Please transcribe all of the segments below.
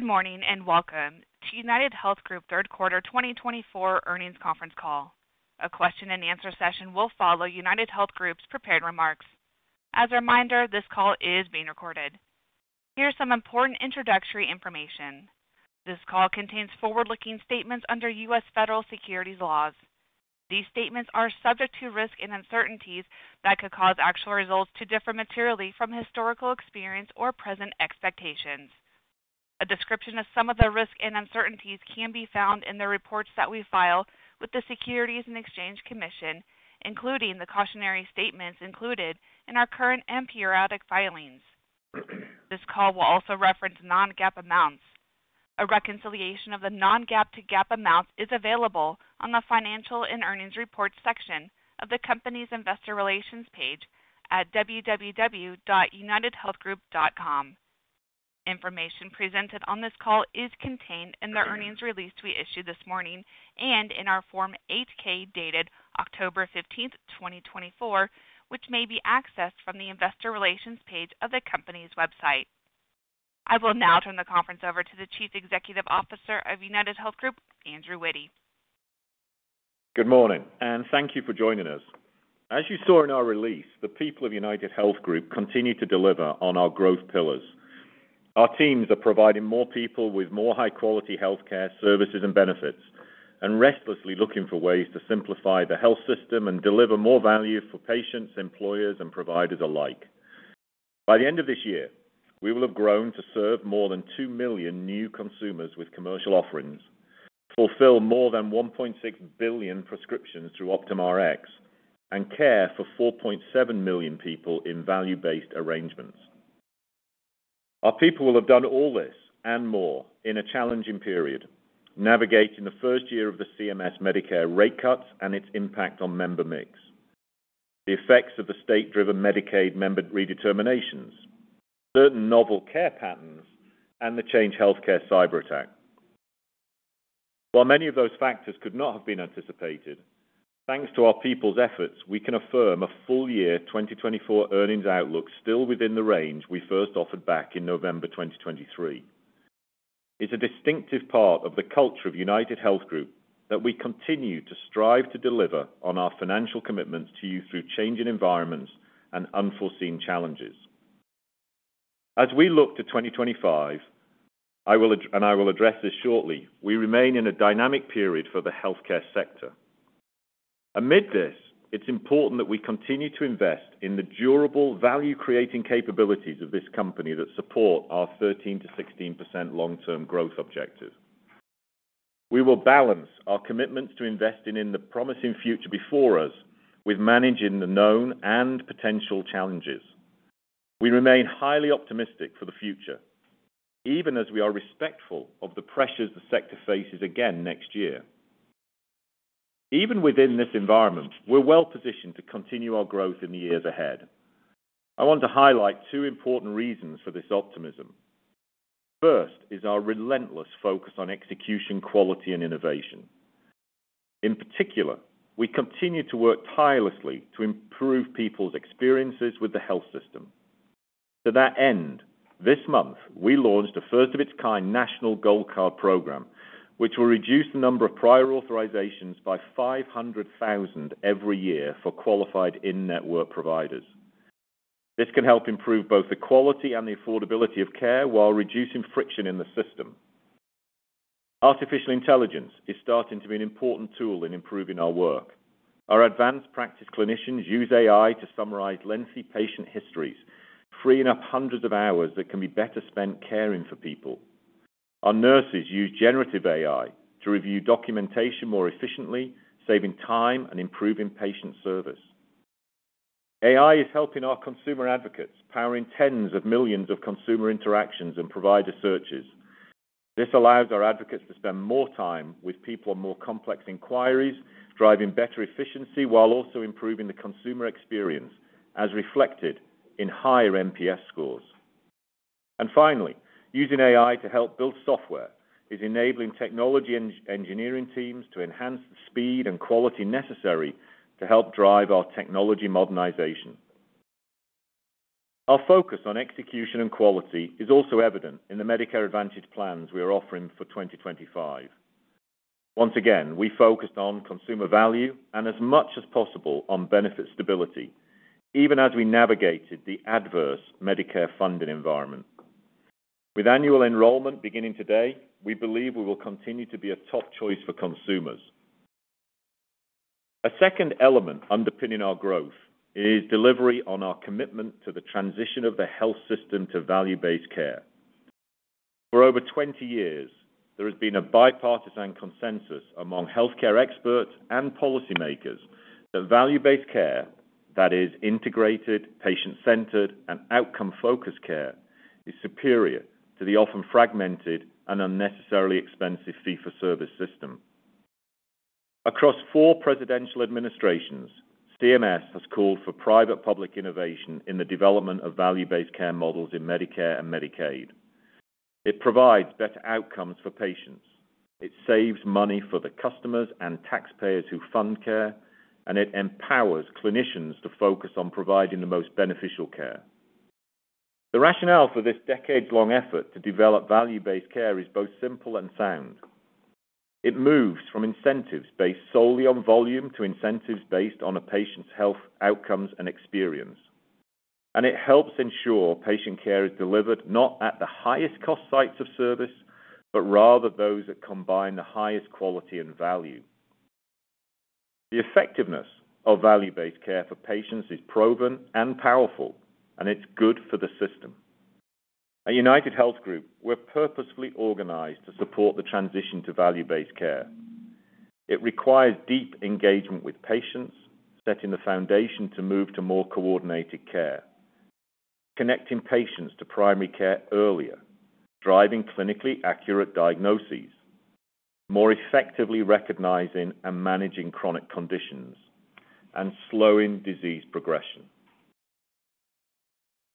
Good morning, and welcome to UnitedHealth Group third quarter twenty twenty-four earnings conference call. A question and answer session will follow UnitedHealth Group's prepared remarks. As a reminder, this call is being recorded. Here's some important introductory information. This call contains forward-looking statements under U.S. federal securities laws. These statements are subject to risks and uncertainties that could cause actual results to differ materially from historical experience or present expectations. A description of some of the risks and uncertainties can be found in the reports that we file with the Securities and Exchange Commission, including the cautionary statements included in our current and periodic filings. This call will also reference non-GAAP amounts. A reconciliation of the non-GAAP to GAAP amounts is available on the Financial and Earnings Reports section of the company's investor relations page at www.unitedhealthgroup.com. Information presented on this call is contained in the earnings release we issued this morning and in our Form 8-K, dated October 15th, 2024 which may be accessed from the Investor Relations page of the company's website. I will now turn the conference over to the Chief Executive Officer of UnitedHealth Group, Andrew Witty. Good morning, and thank you for joining us. As you saw in our release, the people of UnitedHealth Group continue to deliver on our growth pillars. Our teams are providing more people with more high-quality healthcare services and benefits, and restlessly looking for ways to simplify the health system and deliver more value for patients, employers, and providers alike. By the end of this year, we will have grown to serve more than 2 million new consumers with commercial offerings, fulfill more than 1.6 billion prescriptions through Optum Rx, and care for 4.7 million people in value-based arrangements. Our people will have done all this and more in a challenging period, navigating the first year of the CMS Medicare rate cuts and its impact on member mix, the effects of the state-driven Medicaid member redeterminations, certain novel care patterns, and the Change Healthcare cyberattack. While many of those factors could not have been anticipated, thanks to our people's efforts, we can affirm a full year 2024 earnings outlook still within the range we first offered back in November 2023. It's a distinctive part of the culture of UnitedHealth Group that we continue to strive to deliver on our financial commitments to you through changing environments and unforeseen challenges. As we look to 2025, I will add, and I will address this shortly, we remain in a dynamic period for the healthcare sector. Amid this, it's important that we continue to invest in the durable value-creating capabilities of this company that support our 13%-16% long-term growth objectives. We will balance our commitments to investing in the promising future before us with managing the known and potential challenges. We remain highly optimistic for the future, even as we are respectful of the pressures the sector faces again next year. Even within this environment, we're well-positioned to continue our growth in the years ahead. I want to highlight two important reasons for this optimism. First is our relentless focus on execution, quality, and innovation. In particular, we continue to work tirelessly to improve people's experiences with the health system. To that end, this month, we launched a first-of-its-kind national Gold Card program, which will reduce the number of prior authorizations by 500,000 every year for qualified in-network providers. This can help improve both the quality and the affordability of care while reducing friction in the system. Artificial intelligence is starting to be an important tool in improving our work. Our advanced practice clinicians use AI to summarize lengthy patient histories, freeing up hundreds of hours that can be better spent caring for people. Our nurses use generative AI to review documentation more efficiently, saving time and improving patient service. AI is helping our consumer advocates, powering tens of millions of consumer interactions and provider searches. This allows our advocates to spend more time with people on more complex inquiries, driving better efficiency, while also improving the consumer experience, as reflected in higher NPS scores. And finally, using AI to help build software is enabling technology engineering teams to enhance the speed and quality necessary to help drive our technology modernization. Our focus on execution and quality is also evident in the Medicare Advantage plans we are offering for 2025. Once again, we focused on consumer value and as much as possible on benefit stability, even as we navigated the adverse Medicare funding environment. With annual enrollment beginning today, we believe we will continue to be a top choice for consumers. A second element underpinning our growth is delivery on our commitment to the transition of the health system to value-based care. For over twenty years, there has been a bipartisan consensus among healthcare experts and policymakers that value-based care that is integrated, patient-centered, and outcome-focused care, is superior to the often fragmented and unnecessarily expensive fee-for-service system. Across four presidential administrations, CMS has called for private-public innovation in the development of value-based care models in Medicare and Medicaid. It provides better outcomes for patients. It saves money for the customers and taxpayers who fund care, and it empowers clinicians to focus on providing the most beneficial care. The rationale for this decade-long effort to develop value-based care is both simple and sound. It moves from incentives based solely on volume, to incentives based on a patient's health, outcomes, and experience, and it helps ensure patient care is delivered not at the highest cost sites of service, but rather those that combine the highest quality and value. The effectiveness of value-based care for patients is proven and powerful, and it's good for the system. At UnitedHealth Group, we're purposefully organized to support the transition to value-based care. It requires deep engagement with patients, setting the foundation to move to more coordinated care, connecting patients to primary care earlier, driving clinically accurate diagnoses, more effectively recognizing and managing chronic conditions, and slowing disease progression.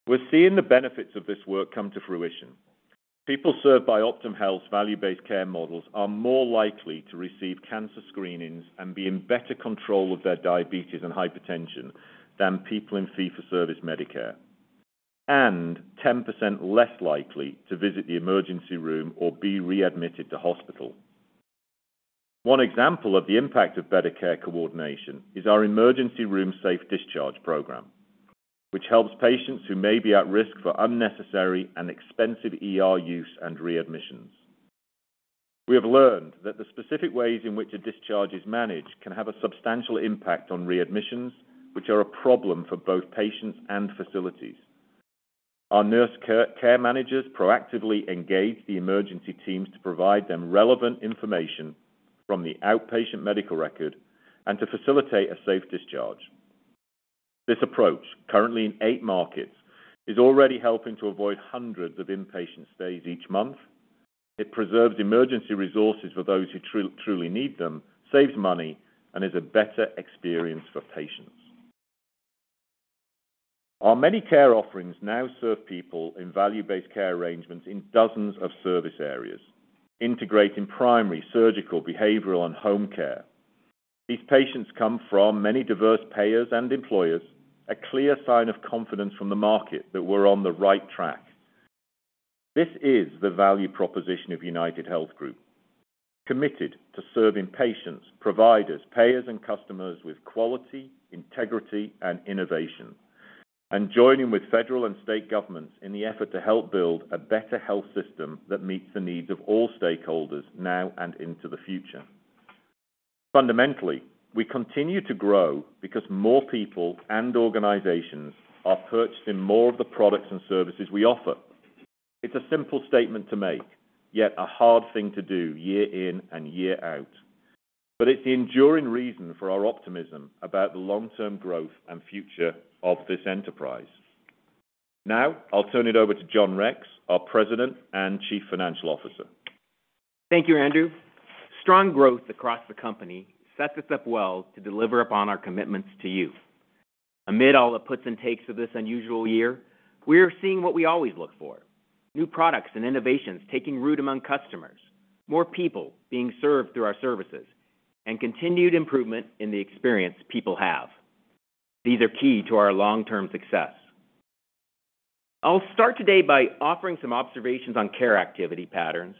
We're seeing the benefits of this work come to fruition. People served by Optum Health's value-based care models are more likely to receive cancer screenings and be in better control of their diabetes and hypertension than people in fee-for-service Medicare, and 10% less likely to visit the emergency room or be readmitted to hospital. One example of the impact of better care coordination is our emergency room safe discharge program, which helps patients who may be at risk for unnecessary and expensive ER use and readmissions. We have learned that the specific ways in which a discharge is managed can have a substantial impact on readmissions, which are a problem for both patients and facilities. Our nurse care managers proactively engage the emergency teams to provide them relevant information from the outpatient medical record and to facilitate a safe discharge. This approach, currently in eight markets, is already helping to avoid hundreds of inpatient stays each month. It preserves emergency resources for those who truly need them, saves money, and is a better experience for patients. Our many care offerings now serve people in value-based care arrangements in dozens of service areas, integrating primary, surgical, behavioral, and home care. These patients come from many diverse payers and employers, a clear sign of confidence from the market that we're on the right track. This is the value proposition of UnitedHealth Group, committed to serving patients, providers, payers, and customers with quality, integrity, and innovation, and joining with federal and state governments in the effort to help build a better health system that meets the needs of all stakeholders now and into the future. Fundamentally, we continue to grow because more people and organizations are purchasing more of the products and services we offer. It's a simple statement to make, yet a hard thing to do year in and year out, but it's the enduring reason for our optimism about the long-term growth and future of this enterprise. Now, I'll turn it over to John Rex, our President and Chief Financial Officer. Thank you, Andrew. Strong growth across the company sets us up well to deliver upon our commitments to you. Amid all the puts and takes of this unusual year, we are seeing what we always look for: new products and innovations taking root among customers, more people being served through our services, and continued improvement in the experience people have. These are key to our long-term success. I'll start today by offering some observations on care activity patterns.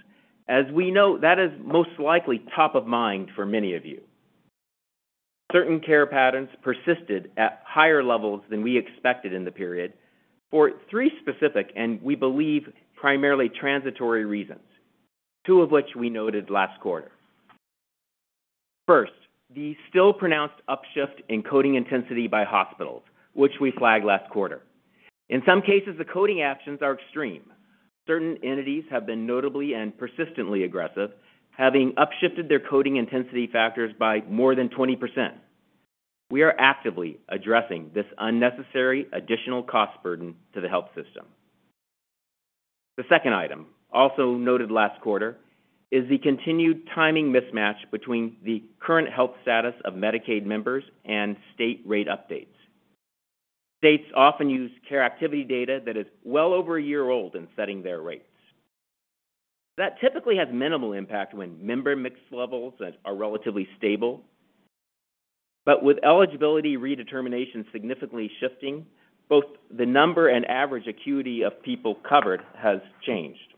As we know, that is most likely top of mind for many of you. Certain care patterns persisted at higher levels than we expected in the period for three specific, and we believe, primarily transitory reasons, two of which we noted last quarter. First, the still pronounced upshift in coding intensity by hospitals, which we flagged last quarter. In some cases, the coding actions are extreme. Certain entities have been notably and persistently aggressive, having upshifted their coding intensity factors by more than 20%. We are actively addressing this unnecessary additional cost burden to the health system. The second item, also noted last quarter, is the continued timing mismatch between the current health status of Medicaid members and state rate updates. States often use care activity data that is well over a year old in setting their rates. That typically has minimal impact when member mix levels are relatively stable. But with eligibility redetermination significantly shifting, both the number and average acuity of people covered has changed.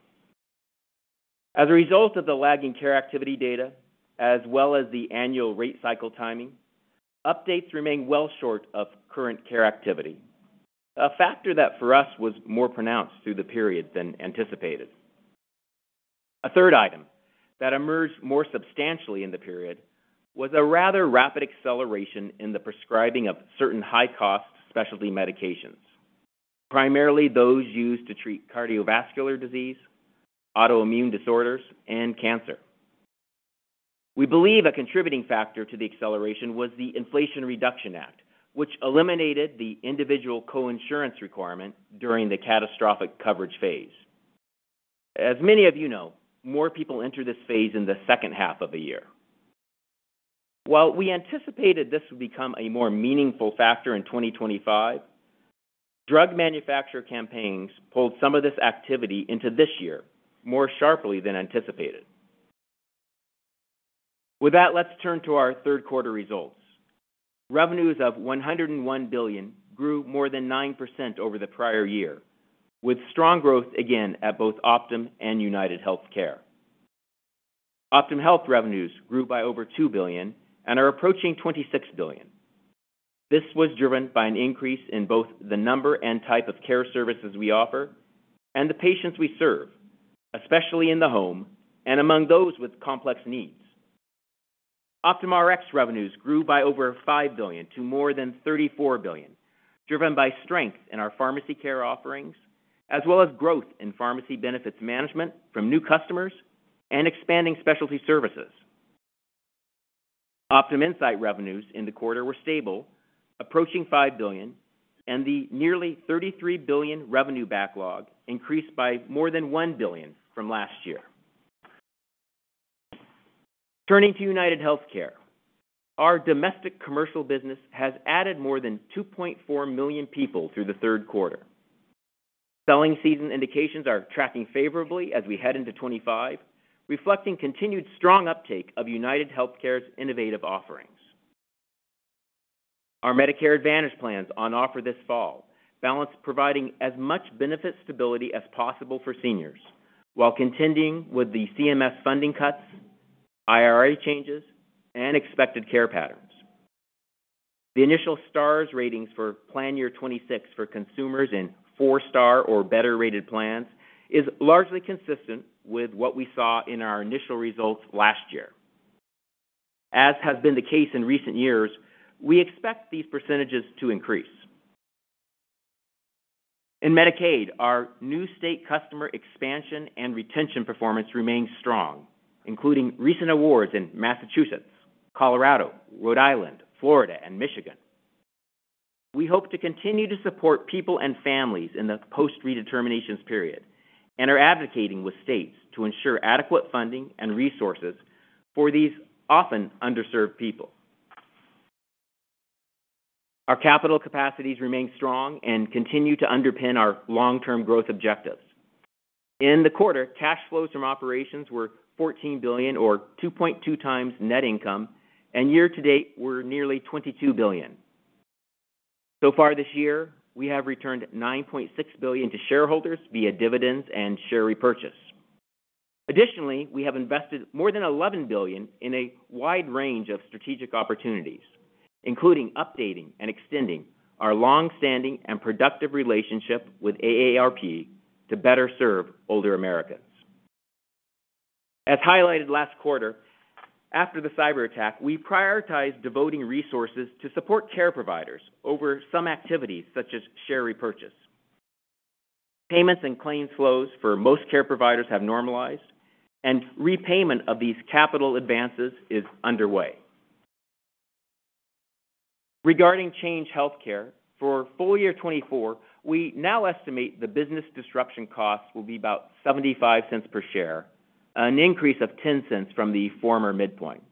As a result of the lagging care activity data, as well as the annual rate cycle timing, updates remain well short of current care activity, a factor that for us was more pronounced through the period than anticipated. A third item that emerged more substantially in the period was a rather rapid acceleration in the prescribing of certain high-cost specialty medications, primarily those used to treat cardiovascular disease, autoimmune disorders, and cancer. We believe a contributing factor to the acceleration was the Inflation Reduction Act, which eliminated the individual coinsurance requirement during the catastrophic coverage phase. As many of you know, more people enter this phase in the second half of the year. While we anticipated this would become a more meaningful factor in 2025, drug manufacturer campaigns pulled some of this activity into this year, more sharply than anticipated. With that, let's turn to our third quarter results. Revenues of $101 billion grew more than 9% over the prior year, with strong growth again at both Optum and UnitedHealthcare. Optum Health revenues grew by over $2 billion and are approaching $26 billion. This was driven by an increase in both the number and type of care services we offer and the patients we serve, especially in the home and among those with complex needs. Optum Rx revenues grew by over $5 billion to more than $34 billion, driven by strength in our pharmacy care offerings, as well as growth in pharmacy benefits management from new customers and expanding specialty services. Optum Insight revenues in the quarter were stable, approaching $5 billion, and the nearly $33 billion revenue backlog increased by more than $1 billion from last year. Turning to UnitedHealthcare, our Domestic Commercial business has added more than 2.4 million people through the third quarter. Selling season indications are tracking favorably as we head into 2025, reflecting continued strong uptake of UnitedHealthcare's innovative offerings. Our Medicare Advantage plans on offer this fall balance providing as much benefit stability as possible for seniors, while contending with the CMS funding cuts, IRA changes, and expected care patterns. The initial Star Ratings for plan year 2026 for consumers in four-star or better-rated plans is largely consistent with what we saw in our initial results last year. As has been the case in recent years, we expect these percentages to increase. In Medicaid, our new state customer expansion and retention performance remains strong, including recent awards in Massachusetts, Colorado, Rhode Island, Florida, and Michigan. We hope to continue to support people and families in the post redeterminations period, and are advocating with states to ensure adequate funding and resources for these often underserved people. Our capital capacities remain strong and continue to underpin our long-term growth objectives. In the quarter, cash flows from operations were $14 billion or 2.2 times net income, and year to date were nearly $22 billion. So far this year, we have returned $9.6 billion to shareholders via dividends and share repurchase. Additionally, we have invested more than $11 billion in a wide range of strategic opportunities, including updating and extending our long-standing and productive relationship with AARP to better serve older Americans. As highlighted last quarter, after the cyberattack, we prioritized devoting resources to support care providers over some activities, such as share repurchase. Payments and claims flows for most care providers have normalized, and repayment of these capital advances is underway. Regarding Change Healthcare, for full year 2024, we now estimate the business disruption costs will be about $0.75 per share, an increase of $0.10 from the former midpoint.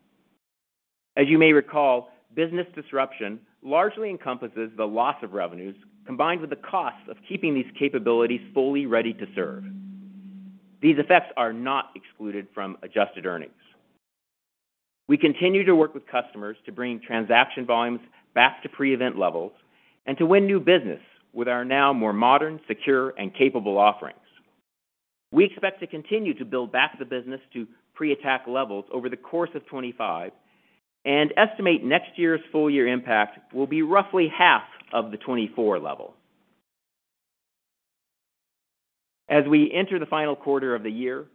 As you may recall, business disruption largely encompasses the loss of revenues, combined with the cost of keeping these capabilities fully ready to serve. These effects are not excluded from adjusted earnings. We continue to work with customers to bring transaction volumes back to pre-event levels and to win new business with our now more modern, secure, and capable offerings. We expect to continue to build back the business to pre-attack levels over the course of 2025 and estimate next year's full year impact will be roughly half of the 2024 level. As we enter the final quarter of the year,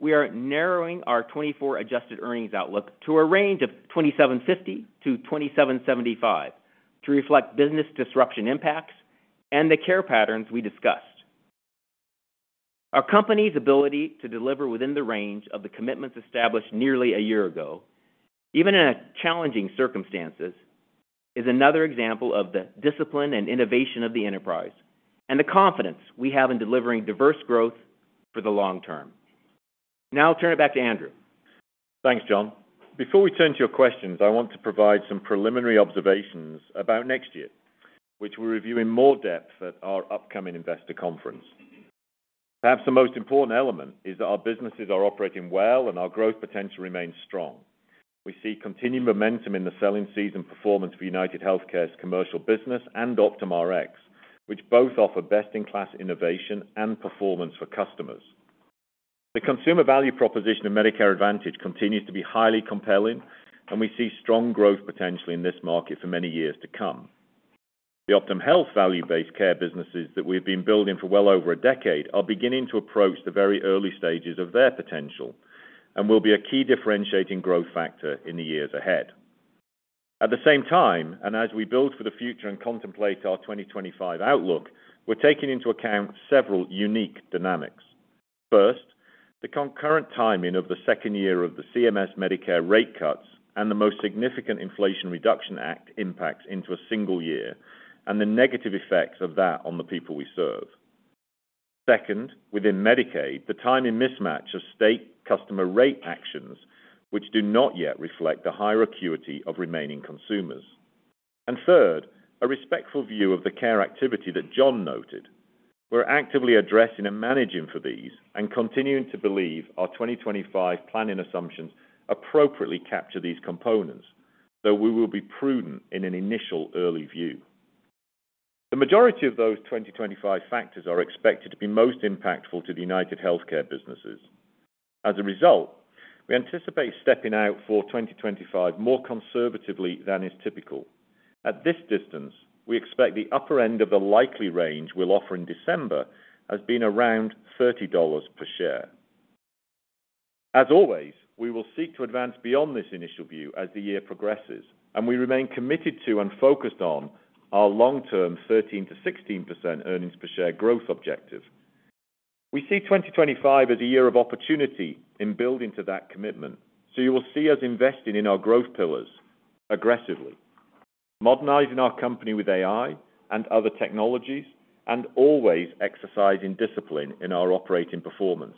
we are narrowing our 2024 adjusted earnings outlook to a range of $27.50-$27.75 to reflect business disruption impacts and the care patterns we discussed. Our company's ability to deliver within the range of the commitments established nearly a year ago, even in challenging circumstances, is another example of the discipline and innovation of the enterprise and the confidence we have in delivering diverse growth for the long term. Now I'll turn it back to Andrew. Thanks, John. Before we turn to your questions, I want to provide some preliminary observations about next year, which we'll review in more depth at our upcoming investor conference. Perhaps the most important element is that our businesses are operating well and our growth potential remains strong. We see continued momentum in the selling season performance for UnitedHealthcare's commercial business and Optum Rx, which both offer best-in-class innovation and performance for customers. The consumer value proposition of Medicare Advantage continues to be highly compelling, and we see strong growth potentially in this market for many years to come. The Optum Health value-based care businesses that we've been building for well over a decade are beginning to approach the very early stages of their potential and will be a key differentiating growth factor in the years ahead. At the same time, and as we build for the future and contemplate our 2025 outlook, we're taking into account several unique dynamics. First, the concurrent timing of the second year of the CMS Medicare rate cuts and the most significant Inflation Reduction Act impacts into a single year, and the negative effects of that on the people we serve. Second, within Medicaid, the timing mismatch of state customer rate actions, which do not yet reflect the higher acuity of remaining consumers, and third, a respectful view of the care activity that John noted. We're actively addressing and managing for these and continuing to believe our 2025 planning assumptions appropriately capture these components, though we will be prudent in an initial early view. The majority of those 2025 factors are expected to be most impactful to the UnitedHealthcare businesses. As a result, we anticipate stepping out for 2025 more conservatively than is typical. At this distance, we expect the upper end of the likely range we'll offer in December as being around $30 per share. As always, we will seek to advance beyond this initial view as the year progresses, and we remain committed to and focused on our long-term 13%-16% earnings per share growth objective. We see 2025 as a year of opportunity in building to that commitment, so you will see us investing in our growth pillars aggressively, modernizing our company with AI and other technologies, and always exercising discipline in our operating performance.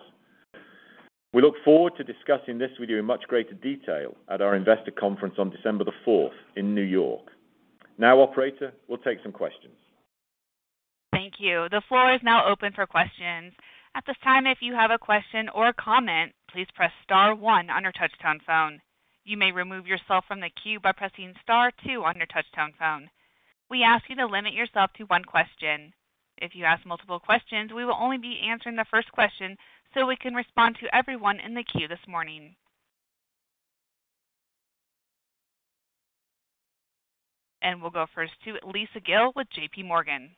We look forward to discussing this with you in much greater detail at our investor conference on December 4th in New York. Now, operator, we'll take some questions. Thank you. The floor is now open for questions. At this time, if you have a question or a comment, please press star one on your touchtone phone. You may remove yourself from the queue by pressing star two on your touchtone phone. We ask you to limit yourself to one question. If you ask multiple questions, we will only be answering the first question, so we can respond to everyone in the queue this morning. And we'll go first to Lisa Gill with JPMorgan.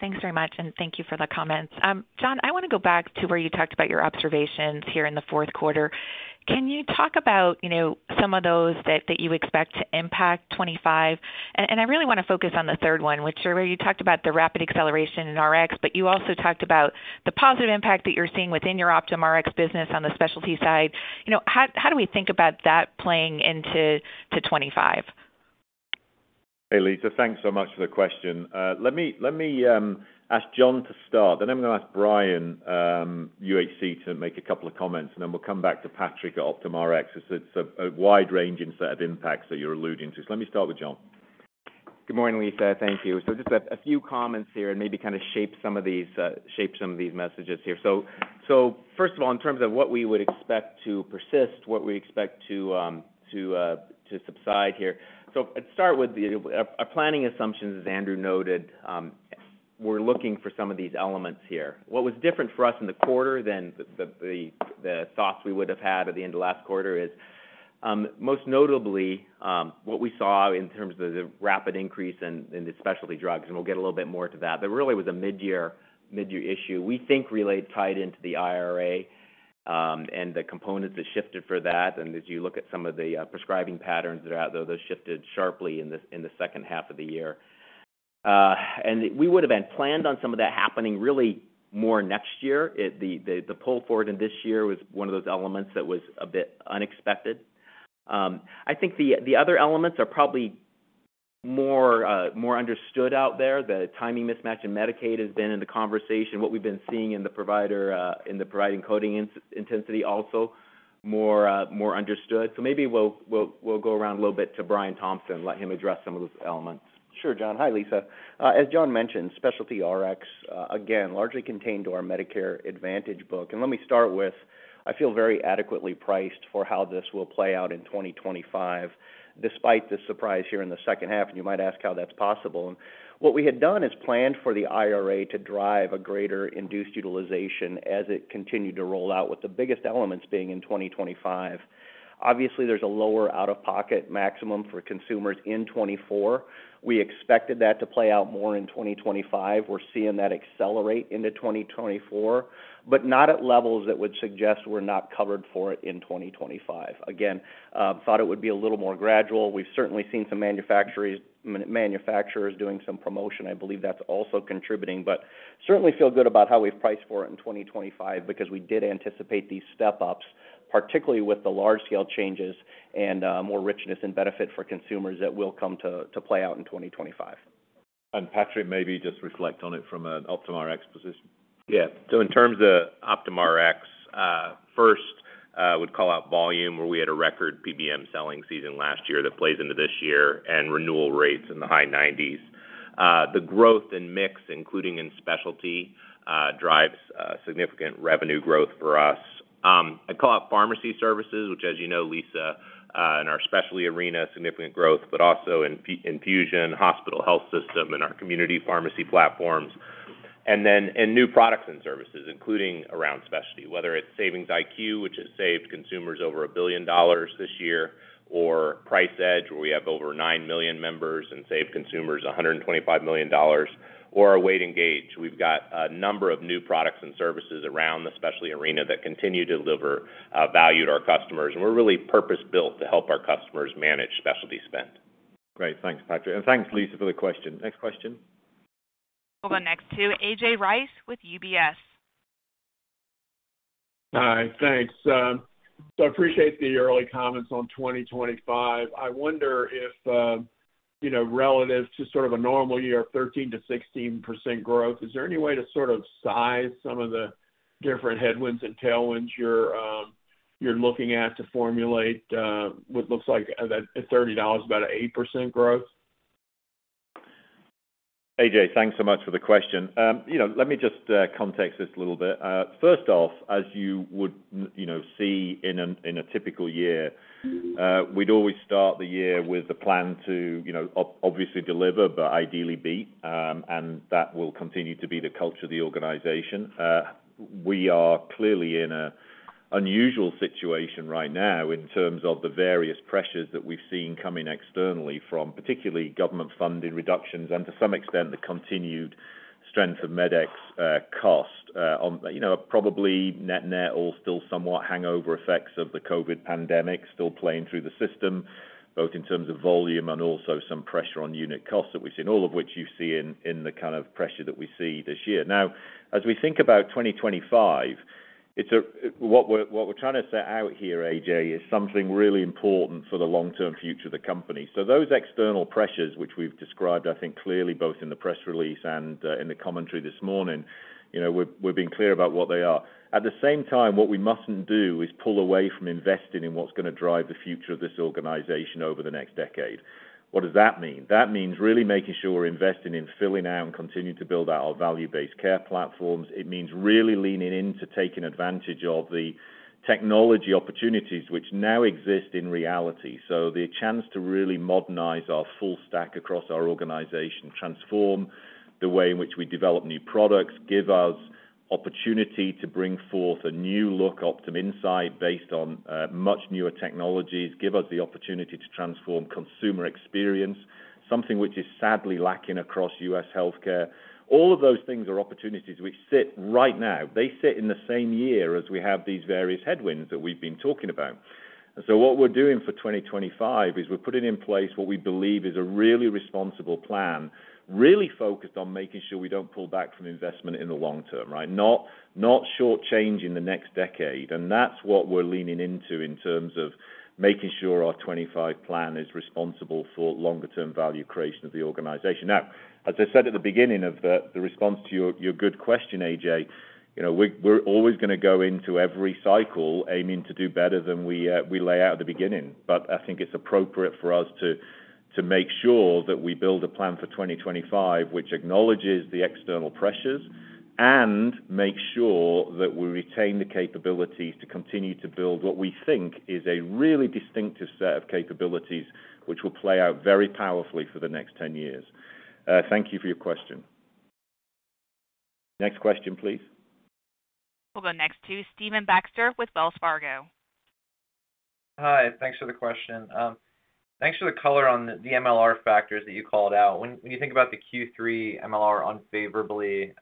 Thanks very much, and thank you for the comments. John, I wanna go back to where you talked about your observations here in the fourth quarter. Can you talk about, you know, some of those that you expect to impact 2025? And I really wanna focus on the third one, where you talked about the rapid acceleration in Rx, but you also talked about the positive impact that you're seeing within your Optum Rx business on the specialty side. You know, how do we think about that playing into 2025? Hey, Lisa. Thanks so much for the question. Let me ask John to start, then I'm gonna ask Brian, UHC, to make a couple of comments, and then we'll come back to Patrick at Optum Rx. It's a wide-ranging set of impacts that you're alluding to, so let me start with John. Good morning, Lisa. Thank you. So just a few comments here and maybe kinda shape some of these messages here. So first of all, in terms of what we would expect to persist, what we expect to subside here. So let's start with our planning assumptions, as Andrew noted, we're looking for some of these elements here. What was different for us in the quarter than the thoughts we would have had at the end of last quarter is most notably what we saw in terms of the rapid increase in the specialty drugs, and we'll get a little bit more to that. There really was a midyear issue, we think, related tied into the IRA, and the components that shifted for that. And as you look at some of the prescribing patterns that are out, those shifted sharply in the second half of the year, and we would have then planned on some of that happening really more next year. The pull forward in this year was one of those elements that was a bit unexpected. I think the other elements are probably more understood out there. The timing mismatch in Medicaid has been in the conversation. What we've been seeing in the provider coding intensity, also more understood. So maybe we'll go around a little bit to Brian Thompson and let him address some of those elements. Sure, John. Hi, Lisa. As John mentioned, specialty Rx, again, largely contained to our Medicare Advantage book. And let me start with, I feel very adequately priced for how this will play out in 2025, despite the surprise here in the second half, and you might ask how that's possible. And what we had done is planned for the IRA to drive a greater induced utilization as it continued to roll out, with the biggest elements being in 2025. Obviously, there's a lower out-of-pocket maximum for consumers in 2024. We expected that to play out more in 2025. We're seeing that accelerate into 2024, but not at levels that would suggest we're not covered for it in 2025. Again, thought it would be a little more gradual. We've certainly seen some manufacturers doing some promotion. I believe that's also contributing, but certainly feel good about how we've priced for it in 2025 because we did anticipate these step-ups, particularly with the large scale changes and more richness and benefit for consumers that will come to play out in 2025. Patrick, maybe just reflect on it from an Optum Rx position. Yeah. So in terms of Optum Rx, first, I would call out volume, where we had a record PBM selling season last year that plays into this year, and renewal rates in the high nineties. The growth in mix, including in specialty, drives significant revenue growth for us. I'd call out pharmacy services, which, as you know, Lisa, in our specialty arena, significant growth, but also in infusion, hospital health system, and our community pharmacy platforms. And then in new products and services, including around specialty, whether it's SavingsIQ, which has saved consumers over $1 billion this year, or Price Edge, where we have over nine million members and saved consumers $125 million, or our Weight Engage. We've got a number of new products and services around the specialty arena that continue to deliver value to our customers, and we're really purpose-built to help our customers manage specialty spend. Great. Thanks, Patrick. And thanks, Lisa, for the question. Next question. We'll go next to A.J. Rice with UBS. Hi, thanks. So I appreciate the early comments on 2025. I wonder if, you know, relative to sort of a normal year of 13%-16% growth, is there any way to sort of size some of the different headwinds and tailwinds you're looking at to formulate what looks like at $30, about an 8% growth? A.J., thanks so much for the question. You know, let me just context this a little bit. First off, as you would, you know, see in a typical year, we'd always start the year with the plan to, you know, obviously deliver, but ideally beat, and that will continue to be the culture of the organization. We are clearly in an unusual situation right now in terms of the various pressures that we've seen coming externally from particularly government funding reductions, and to some extent, the continued strength of medical cost on, you know, probably net net all still somewhat hangover effects of the COVID pandemic still playing through the system, both in terms of volume and also some pressure on unit costs, that we've seen, all of which you see in the kind of pressure that we see this year. Now, as we think about 2025, it's. What we're trying to set out here, A.J., is something really important for the long-term future of the company. So those external pressures, which we've described, I think, clearly, both in the press release and in the commentary this morning, you know, we're being clear about what they are. At the same time, what we mustn't do is pull away from investing in what's gonna drive the future of this organization over the next decade. What does that mean? That means really making sure we're investing in filling out and continuing to build out our value-based care platforms. It means really leaning in to taking advantage of the technology opportunities, which now exist in reality. So the chance to really modernize our full stack across our organization, transform the way in which we develop new products, give us opportunity to bring forth a new look, Optum Insight, based on much newer technologies, give us the opportunity to transform consumer experience, something which is sadly lacking across U.S. healthcare. All of those things are opportunities which sit right now. They sit in the same year as we have these various headwinds that we've been talking about. And so what we're doing for 2025 is we're putting in place what we believe is a really responsible plan, really focused on making sure we don't pull back from investment in the long term, right? Not, not short-changing the next decade. And that's what we're leaning into in terms of making sure our 2025 plan is responsible for longer term value creation of the organization. Now, as I said at the beginning of the response to your good question, A.J., you know, we're always gonna go into every cycle aiming to do better than we lay out at the beginning. But I think it's appropriate for us to make sure that we build a plan for 2025, which acknowledges the external pressures, and make sure that we retain the capabilities to continue to build what we think is a really distinctive set of capabilities, which will play out very powerfully for the next 10 years. Thank you for your question. Next question, please. We'll go next to Stephen Baxter with Wells Fargo. Hi, thanks for the question. Thanks for the color on the MLR factors that you called out. When you think about the Q3 MLR unfavorably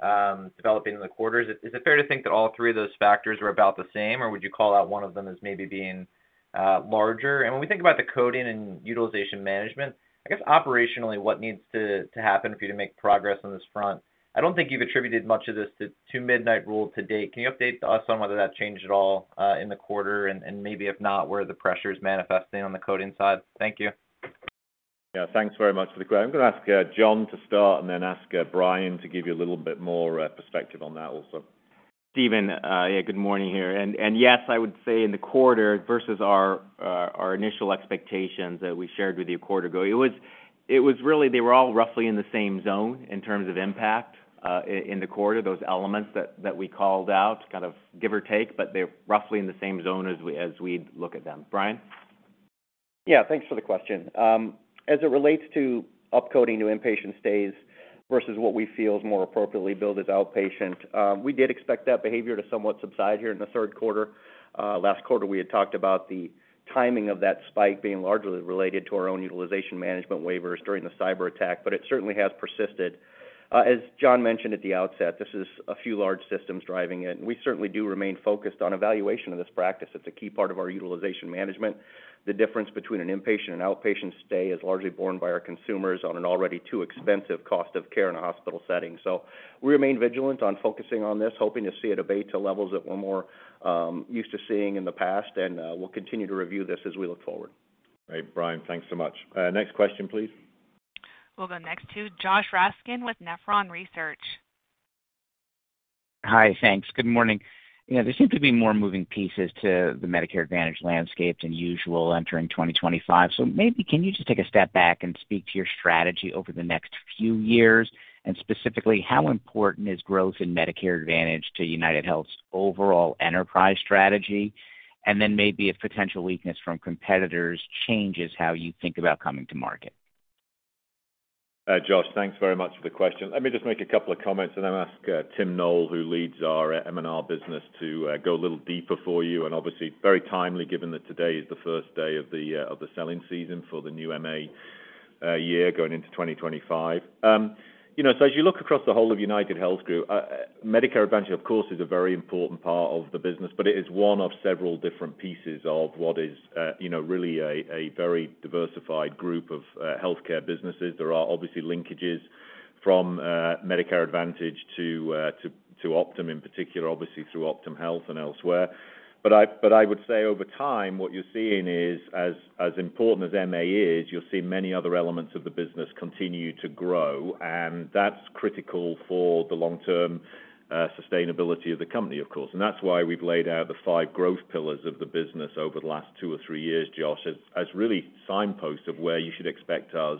developing in the quarters, is it fair to think that all three of those factors were about the same, or would you call out one of them as maybe being larger? And when we think about the coding and utilization management, I guess operationally, what needs to happen for you to make progress on this front? I don't think you've attributed much of this to Midnight Rule to date. Can you update us on whether that's changed at all in the quarter, and maybe if not, where the pressure is manifesting on the coding side? Thank you. Yeah, thanks very much for the question. I'm gonna ask John to start and then ask Brian to give you a little bit more perspective on that also. Stephen, yeah, good morning here. And yes, I would say in the quarter versus our initial expectations that we shared with you a quarter ago, it was really they were all roughly in the same zone in terms of impact in the quarter, those elements that we called out, kind of give or take, but they're roughly in the same zone as we look at them. Brian? Yeah, thanks for the question. As it relates to upcoding new inpatient stays versus what we feel is more appropriately billed as outpatient, we did expect that behavior to somewhat subside here in the third quarter. Last quarter, we had talked about the timing of that spike being largely related to our own utilization management waivers during the cyberattack, but it certainly has persisted. As John mentioned at the outset, this is a few large systems driving it, and we certainly do remain focused on evaluation of this practice. It's a key part of our utilization management. The difference between an inpatient and outpatient stay is largely borne by our consumers on an already too expensive cost of care in a hospital setting. So we remain vigilant on focusing on this, hoping to see it abate to levels that we're more used to seeing in the past, and we'll continue to review this as we look forward. Great, Brian. Thanks so much. Next question, please. We'll go next to Josh Raskin with Nephron Research. Hi, thanks. Good morning. Yeah, there seem to be more moving pieces to the Medicare Advantage landscape than usual entering 2025. So maybe can you just take a step back and speak to your strategy over the next few years? And specifically, how important is growth in Medicare Advantage to UnitedHealth's overall enterprise strategy? And then maybe a potential weakness from competitors changes how you think about coming to market. Josh, thanks very much for the question. Let me just make a couple of comments and then ask Tim Noel, who leads our M&R business, to go a little deeper for you. And obviously, very timely, given that today is the first day of the selling season for the new MA year, going into 2025. You know, so as you look across the whole of UnitedHealth Group, Medicare Advantage, of course, is a very important part of the business, but it is one of several different pieces of what is, you know, really a very diversified group of healthcare businesses. There are obviously linkages from Medicare Advantage to Optum in particular, obviously through Optum Health and elsewhere. But I would say over time, what you're seeing is, as important as MA is, you'll see many other elements of the business continue to grow, and that's critical for the long-term sustainability of the company, of course. And that's why we've laid out the five growth pillars of the business over the last two or three years, Josh, as really signposts of where you should expect us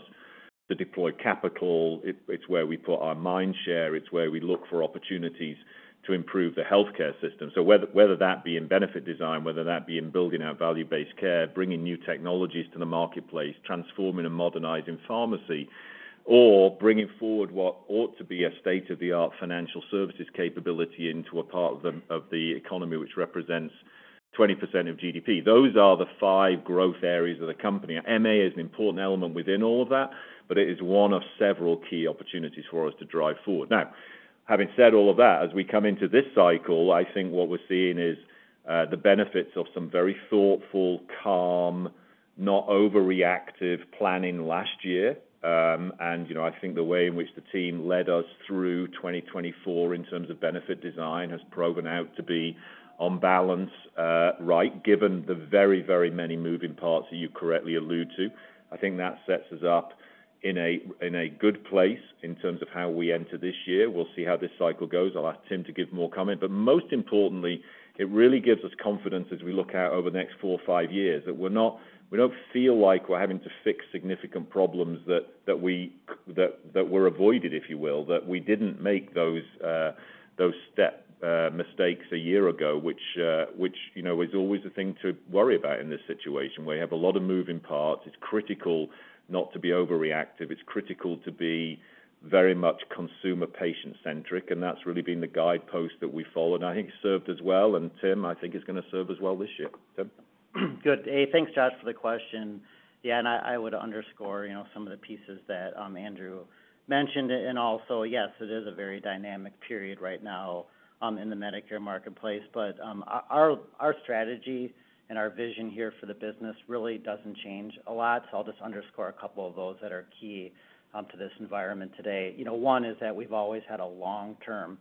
to deploy capital. It's where we put our mind share, it's where we look for opportunities to improve the healthcare system. So whether that be in benefit design, whether that be in building out value-based care, bringing new technologies to the marketplace, transforming and modernizing pharmacy, or bringing forward what ought to be a state-of-the-art financial services capability into a part of the economy, which represents 20% of GDP. Those are the five growth areas of the company. MA is an important element within all of that, but it is one of several key opportunities for us to drive forward. Now, having said all of that, as we come into this cycle, I think what we're seeing is the benefits of some very thoughtful, calm, not overreactive planning last year. And, you know, I think the way in which the team led us through 2024 in terms of benefit design has proven out to be, on balance, right, given the very, very many moving parts that you correctly allude to. I think that sets us up in a good place in terms of how we enter this year. We'll see how this cycle goes. I'll ask Tim to give more comment. But most importantly, it really gives us confidence as we look out over the next four or five years, that we're not. We don't feel like we're having to fix significant problems that we avoided, if you will, that we didn't make those mistakes a year ago, which you know is always a thing to worry about in this situation, where you have a lot of moving parts. It's critical not to be overreactive. It's critical to be very much consumer patient-centric, and that's really been the guidepost that we followed, and I think served us well, and Tim, I think, is gonna serve us well this year. Tim? Good day. Thanks, Josh, for the question. Yeah, and I would underscore, you know, some of the pieces that Andrew mentioned. Also, yes, it is a very dynamic period right now in the Medicare marketplace, but our strategy and our vision here for the business really doesn't change a lot. So I'll just underscore a couple of those that are key to this environment today. You know, one is that we've always had a long-term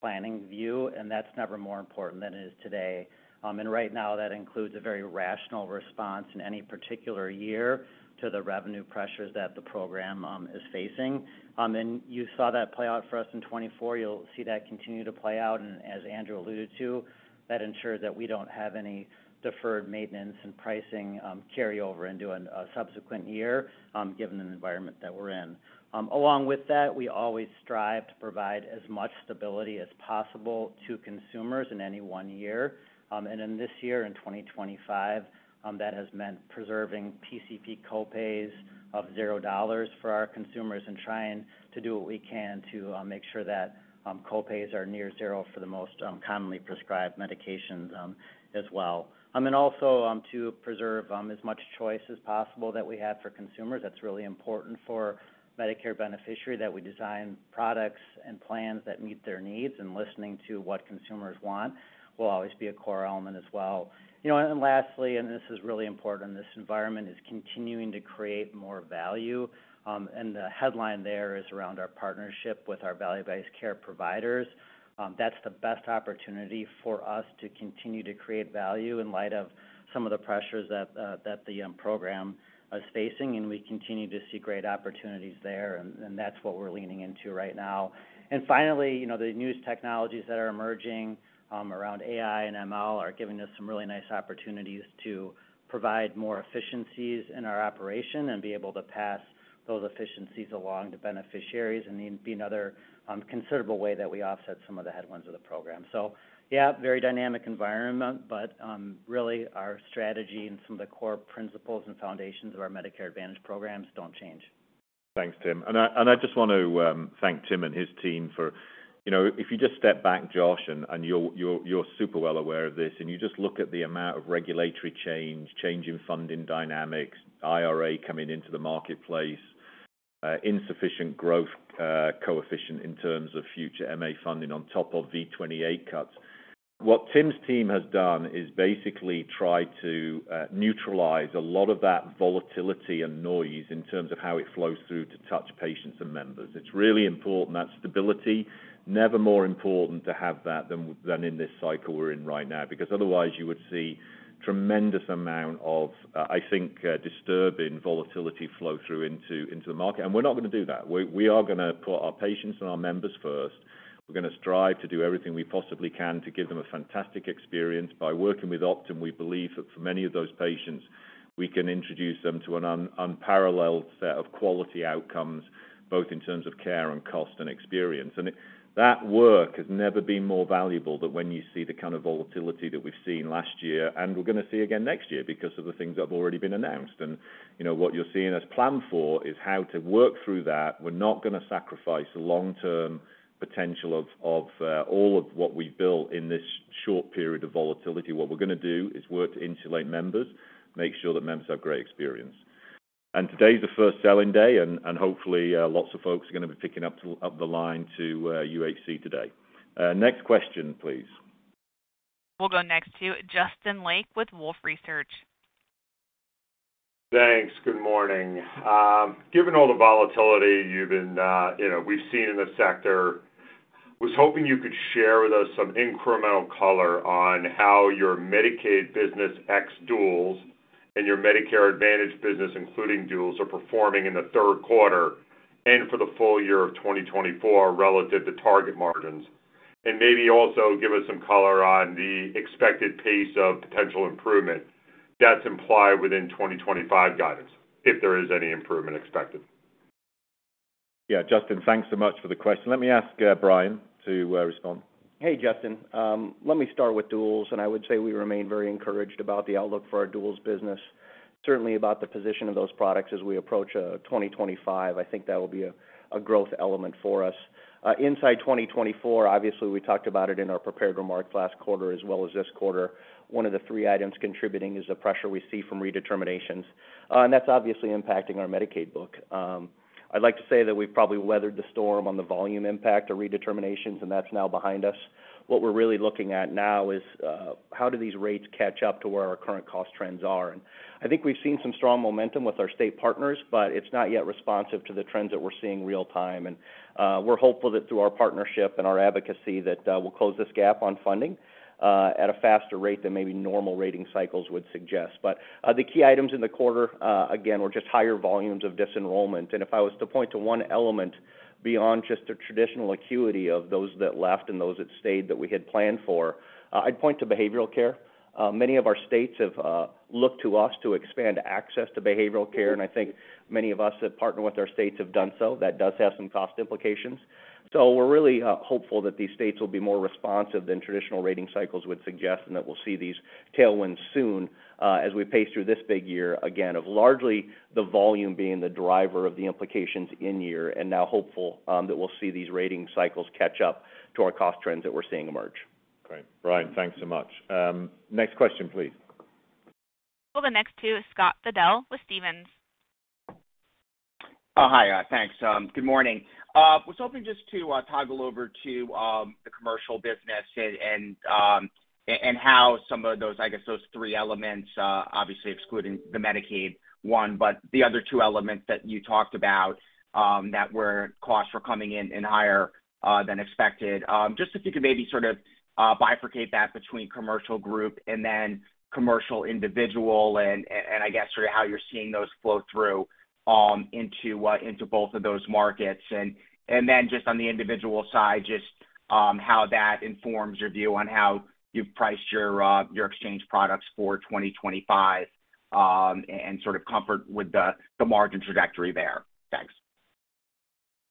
planning view, and that's never more important than it is today. And right now, that includes a very rational response in any particular year to the revenue pressures that the program is facing. And you saw that play out for us in 2024. You'll see that continue to play out, and as Andrew alluded to, that ensures that we don't have any deferred maintenance and pricing carry over into a subsequent year, given the environment that we're in. Along with that, we always strive to provide as much stability as possible to consumers in any one year. And in this year, in 2025, that has meant preserving PCP copays of $0 for our consumers and trying to do what we can to make sure that copays are near zero for the most commonly prescribed medications, as well. And also, to preserve as much choice as possible that we have for consumers. That's really important for Medicare beneficiary, that we design products and plans that meet their needs, and listening to what consumers want will always be a core element as well. You know, and then lastly, and this is really important, this environment is continuing to create more value, and the headline there is around our partnership with our value-based care providers. That's the best opportunity for us to continue to create value in light of some of the pressures that the program is facing, and we continue to see great opportunities there, and that's what we're leaning into right now. And finally, you know, the new technologies that are emerging, around AI and ML are giving us some really nice opportunities to provide more efficiencies in our operation and be able to pass those efficiencies along to beneficiaries, and then be another, considerable way that we offset some of the headwinds of the program. So yeah, very dynamic environment, but, really, our strategy and some of the core principles and foundations of our Medicare Advantage programs don't change. Thanks, Tim. And I just want to thank Tim and his team for. You know, if you just step back, Josh, and you're super well aware of this, and you just look at the amount of regulatory change in funding dynamics, IRA coming into the marketplace, insufficient growth coefficient in terms of future MA funding on top of V28 cuts. What Tim's team has done is basically try to neutralize a lot of that volatility and noise in terms of how it flows through to touch patients and members. It's really important, that stability, never more important to have that than in this cycle we're in right now, because otherwise you would see tremendous amount of, I think, disturbing volatility flow through into the market. And we're not gonna do that. We are gonna put our patients and our members first. We're gonna strive to do everything we possibly can to give them a fantastic experience. By working with Optum, we believe that for many of those patients, we can introduce them to an unparalleled set of quality outcomes, both in terms of care and cost and experience. That work has never been more valuable than when you see the kind of volatility that we've seen last year, and we're gonna see again next year because of the things that have already been announced. You know, what you're seeing us plan for is how to work through that. We're not gonna sacrifice the long-term potential of all of what we've built in this short period of volatility. What we're gonna do is work to insulate members, make sure that members have great experience. And today's the first selling day, and hopefully, lots of folks are gonna be picking up the line to UHC today. Next question, please. We'll go next to Justin Lake with Wolfe Research. Thanks. Good morning. Given all the volatility you've been, you know, we've seen in the sector, was hoping you could share with us some incremental color on how your Medicaid business ex duals and your Medicare Advantage business, including duals, are performing in the third quarter and for the full year of 2024 relative to target margins. And maybe also give us some color on the expected pace of potential improvement that's implied within 2025 guidance, if there is any improvement expected. Yeah, Justin, thanks so much for the question. Let me ask Brian to respond. Hey, Justin. Let me start with duals, and I would say we remain very encouraged about the outlook for our duals business, certainly about the position of those products as we approach 2025. I think that will be a growth element for us. Inside 2024, obviously, we talked about it in our prepared remarks last quarter as well as this quarter. One of the three items contributing is the pressure we see from redeterminations, and that's obviously impacting our Medicaid book. I'd like to say that we've probably weathered the storm on the volume impact of redeterminations, and that's now behind us. What we're really looking at now is how do these rates catch up to where our current cost trends are? And I think we've seen some strong momentum with our state partners, but it's not yet responsive to the trends that we're seeing real-time. And we're hopeful that through our partnership and our advocacy, that we'll close this gap on funding at a faster rate than maybe normal rating cycles would suggest. But the key items in the quarter, again, were just higher volumes of disenrollment. And if I was to point to one element beyond just the traditional acuity of those that left and those that stayed that we had planned for, I'd point to behavioral care. Many of our states have looked to us to expand access to behavioral care, and I think many of us that partner with our states have done so. That does have some cost implications. So we're really hopeful that these states will be more responsive than traditional rating cycles would suggest, and that we'll see these tailwinds soon, as we pace through this big year, again, of largely the volume being the driver of the implications in year, and now hopeful that we'll see these rating cycles catch up to our cost trends that we're seeing emerge. Great. Brian, thanks so much. Next question, please. The next two is Scott Fidel with Stephens. Oh, hi. Thanks. Good morning. Was hoping just to toggle over to the commercial business and how some of those, I guess, those three elements, obviously excluding the Medicaid one, but the other two elements that you talked about, that were costs were coming in higher than expected. Just if you could maybe sort of bifurcate that between commercial group and then commercial individual, and I guess, sort of how you're seeing those flow through into both of those markets. And then just on the individual side, just how that informs your view on how you've priced your exchange products for 2025, and sort of comfort with the margin trajectory there. Thanks.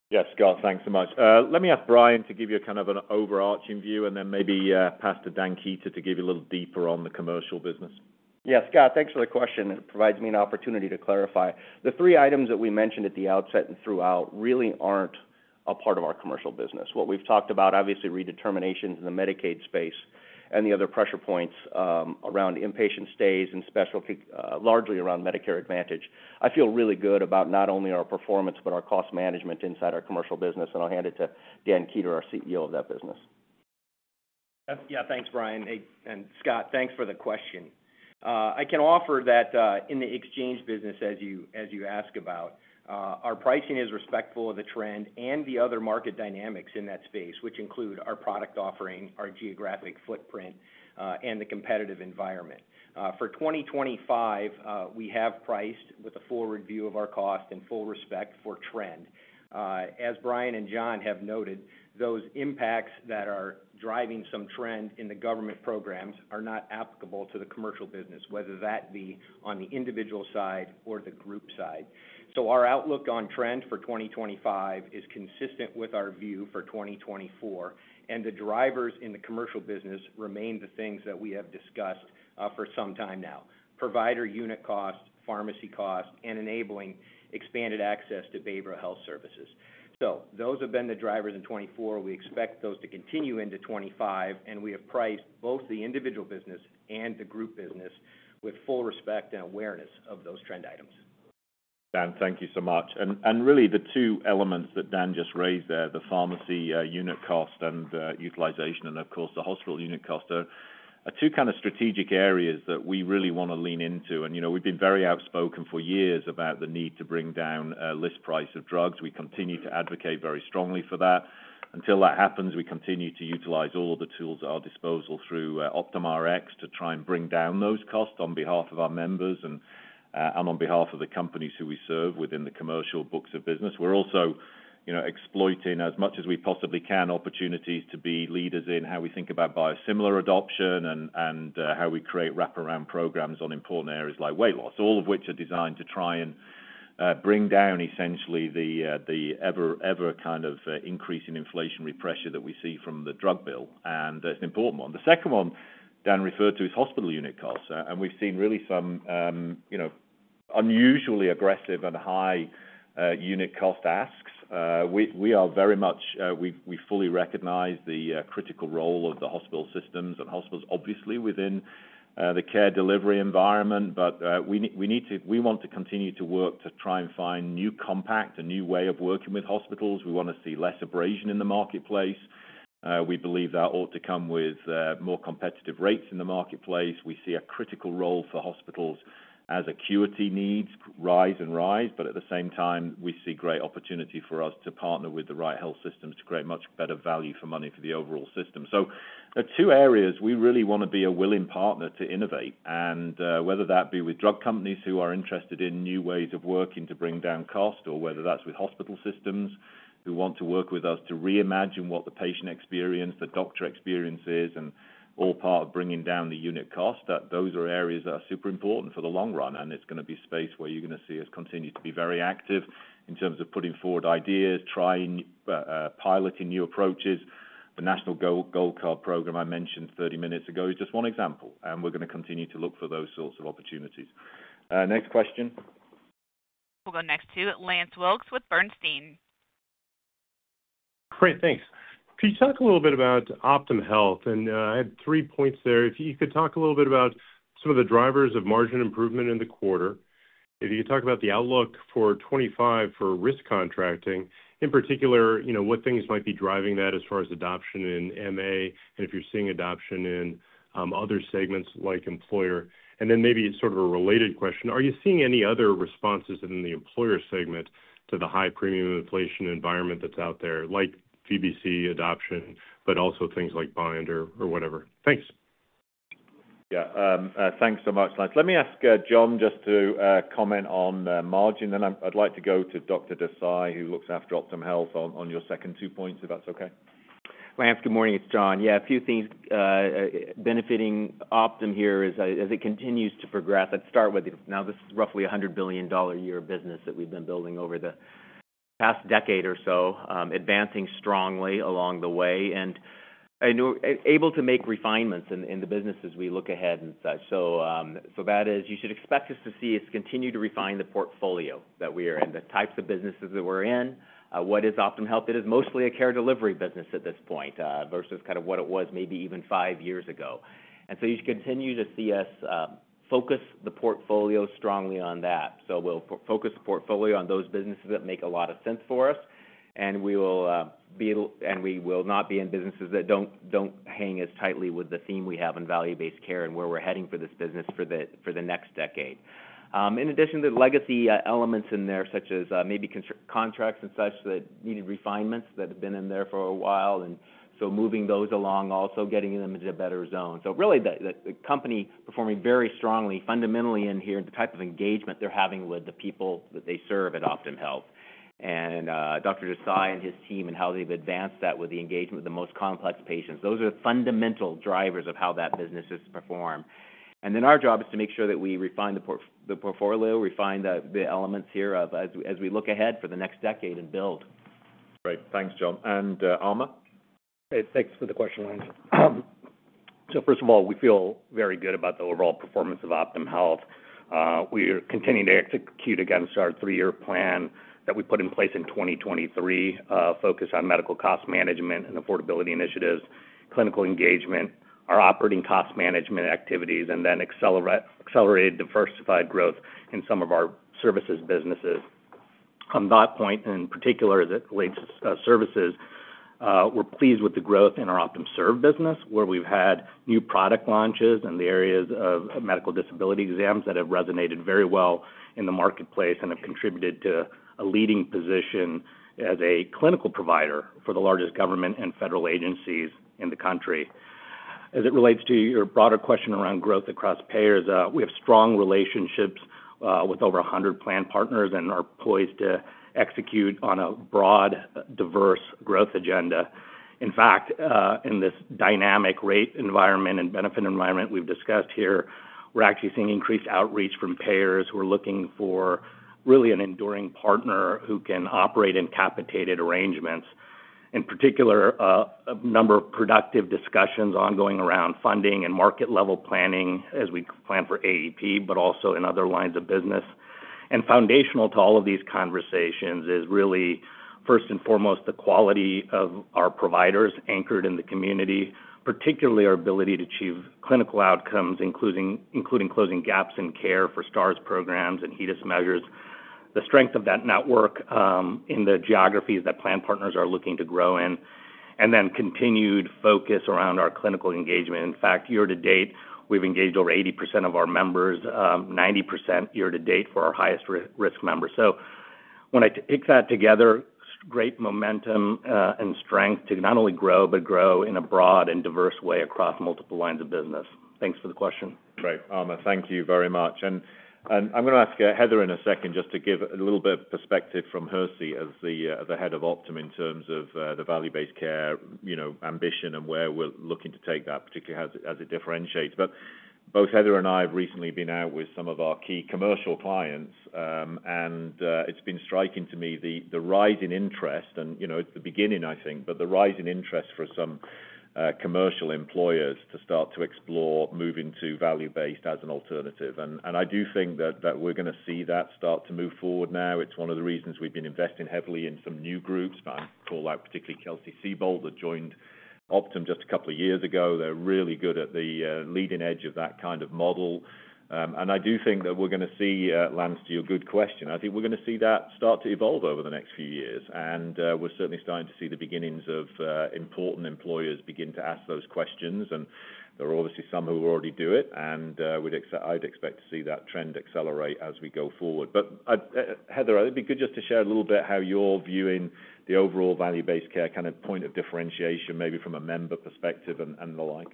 Yes, Scott, thanks so much. Let me ask Brian to give you a kind of an overarching view and then maybe pass to Dan Kueter to give you a little deeper on the commercial business. Yeah, Scott, thanks for the question. It provides me an opportunity to clarify. The three items that we mentioned at the outset and throughout really aren't a part of our commercial business. What we've talked about, obviously, redeterminations in the Medicaid space and the other pressure points around inpatient stays and specialty, largely around Medicare Advantage. I feel really good about not only our performance, but our cost management inside our commercial business, and I'll hand it to Dan Kueter, our CEO of that business. Yeah, thanks, Brian. Hey, and Scott, thanks for the question. I can offer that in the exchange business, as you ask about, our pricing is respectful of the trend and the other market dynamics in that space, which include our product offering, our geographic footprint, and the competitive environment. For 2025, we have priced with a full review of our cost and full respect for trend. As Brian and John have noted, those impacts that are driving some trend in the government programs are not applicable to the commercial business, whether that be on the individual side or the group side. Our outlook on trend for 2025 is consistent with our view for 2024, and the drivers in the commercial business remain the things that we have discussed for some time now: provider unit cost, pharmacy cost, and enabling expanded access to behavioral health services. Those have been the drivers in 2024. We expect those to continue into 2025, and we have priced both the individual business and the group business with full respect and awareness of those trend items. Dan, thank you so much. And really, the two elements that Dan just raised there, the pharmacy unit cost and utilization, and of course, the hospital unit cost, are two kind of strategic areas that we really wanna lean into. And, you know, we've been very outspoken for years about the need to bring down list price of drugs. We continue to advocate very strongly for that. Until that happens, we continue to utilize all of the tools at our disposal through Optum Rx to try and bring down those costs on behalf of our members and on behalf of the companies who we serve within the commercial books of business. We're also, you know, exploiting, as much as we possibly can, opportunities to be leaders in how we think about biosimilar adoption and how we create wraparound programs on important areas like weight loss. All of which are designed to try and bring down essentially the ever increasing inflationary pressure that we see from the drug bill, and that's an important one. The second one Dan referred to is hospital unit costs, and we've seen really some unusually aggressive and high unit cost asks. We are very much, we fully recognize the critical role of the hospital systems and hospitals, obviously, within the care delivery environment. We want to continue to work to try and find a new compact, a new way of working with hospitals. We want to see less abrasion in the marketplace. We believe that ought to come with more competitive rates in the marketplace. We see a critical role for hospitals as acuity needs rise and rise, but at the same time, we see great opportunity for us to partner with the right health systems to create much better value for money for the overall system. So there are two areas we really want to be a willing partner to innovate, and whether that be with drug companies who are interested in new ways of working to bring down cost, or whether that's with hospital systems who want to work with us to reimagine what the patient experience, the doctor experience is, and all part of bringing down the unit cost. That those are areas that are super important for the long run, and it's gonna be space where you're gonna see us continue to be very active in terms of putting forward ideas, trying, piloting new approaches. The National Gold Card program I mentioned thirty minutes ago is just one example, and we're gonna continue to look for those sorts of opportunities. Next question? We'll go next to Lance Wilkes with Bernstein. Great, thanks. Can you talk a little bit about Optum Health? And, I had three points there. If you could talk a little bit about some of the drivers of margin improvement in the quarter. If you could talk about the outlook for 2025 for risk contracting, in particular, you know, what things might be driving that as far as adoption in MA, and if you're seeing adoption in, other segments like employer. And then maybe sort of a related question, are you seeing any other responses in the employer segment to the high premium inflation environment that's out there, like VBC adoption, but also things like Bind or, or whatever? Thanks. Yeah, thanks so much, Lance. Let me ask, John, just to comment on the margin, then I'd like to go to Dr. Desai, who looks after Optum Health on, on your second two points, if that's okay. Lance, good morning, it's John. Yeah, a few things, benefiting Optum here as, as it continues to progress. Let's start with, now, this is roughly a $100 billion a year business that we've been building over the past decade or so, advancing strongly along the way, and, and we're able to make refinements in, in the business as we look ahead and such. So, so that is, you should expect us to see us continue to refine the portfolio that we are in, the types of businesses that we're in. What is Optum Health? It is mostly a care delivery business at this point, versus kind of what it was maybe even five years ago. And so you should continue to see us, focus the portfolio strongly on that. We'll focus the portfolio on those businesses that make a lot of sense for us, and we will not be in businesses that don't hang as tightly with the theme we have in value-based care and where we're heading for this business for the next decade. In addition to the legacy elements in there, such as maybe contracts and such, that needed refinements that have been in there for a while, and so moving those along, also getting them into a better zone. Really, the company performing very strongly, fundamentally in here, and the type of engagement they're having with the people that they serve at Optum Health. And Dr. Desai and his team, and how they've advanced that with the engagement of the most complex patients, those are the fundamental drivers of how that business is to perform, and then our job is to make sure that we refine the portfolio, refine the elements here of as we look ahead for the next decade and build. Great. Thanks, John, and Amar? Hey, thanks for the question, Lance. So first of all, we feel very good about the overall performance of Optum Health. We are continuing to execute against our three-year plan that we put in place in 2023, focused on medical cost management and affordability initiatives, clinical engagement, our operating cost management activities, and then accelerated diversified growth in some of our services businesses. On that point, in particular, that relates to services, we're pleased with the growth in our Optum Serve business, where we've had new product launches in the areas of medical disability exams that have resonated very well in the marketplace and have contributed to a leading position as a clinical provider for the largest government and federal agencies in the country. As it relates to your broader question around growth across payers, we have strong relationships with over a hundred plan partners and are poised to execute on a broad, diverse growth agenda. In fact, in this dynamic rate environment and benefit environment we've discussed here, we're actually seeing increased outreach from payers who are looking for really an enduring partner who can operate in capitated arrangements. In particular, a number of productive discussions ongoing around funding and market-level planning as we plan for AEP, but also in other lines of business. Foundational to all of these conversations is really, first and foremost, the quality of our providers anchored in the community, particularly our ability to achieve clinical outcomes, including closing gaps in care for Stars programs and HEDIS measures. The strength of that network in the geographies that plan partners are looking to grow in, and then continued focus around our clinical engagement. In fact, year to date, we've engaged over 80% of our members, 90% year to date for our highest risk members. So when I take that together, great momentum and strength to not only grow, but grow in a broad and diverse way across multiple lines of business. Thanks for the question. Great, Amar. Thank you very much. And I'm gonna ask Heather in a second just to give a little bit of perspective from her seat as the head of Optum in terms of the value-based care, you know, ambition and where we're looking to take that, particularly as it differentiates. But both Heather and I have recently been out with some of our key commercial clients, and it's been striking to me the rise in interest, and, you know, it's the beginning, I think, but the rise in interest for some commercial employers to start to explore moving to value-based as an alternative. And I do think that we're gonna see that start to move forward now. It's one of the reasons we've been investing heavily in some new groups. I'll call out particularly Kelsey-Seybold, that joined Optum just a couple of years ago. They're really good at the leading edge of that kind of model. And I do think that we're gonna see, Lance, to your good question, I think we're gonna see that start to evolve over the next few years, and we're certainly starting to see the beginnings of important employers begin to ask those questions. And there are obviously some who already do it, and I'd expect to see that trend accelerate as we go forward. But I, Heather, it'd be good just to share a little bit how you're viewing the overall value-based care, kind of, point of differentiation, maybe from a member perspective and the like.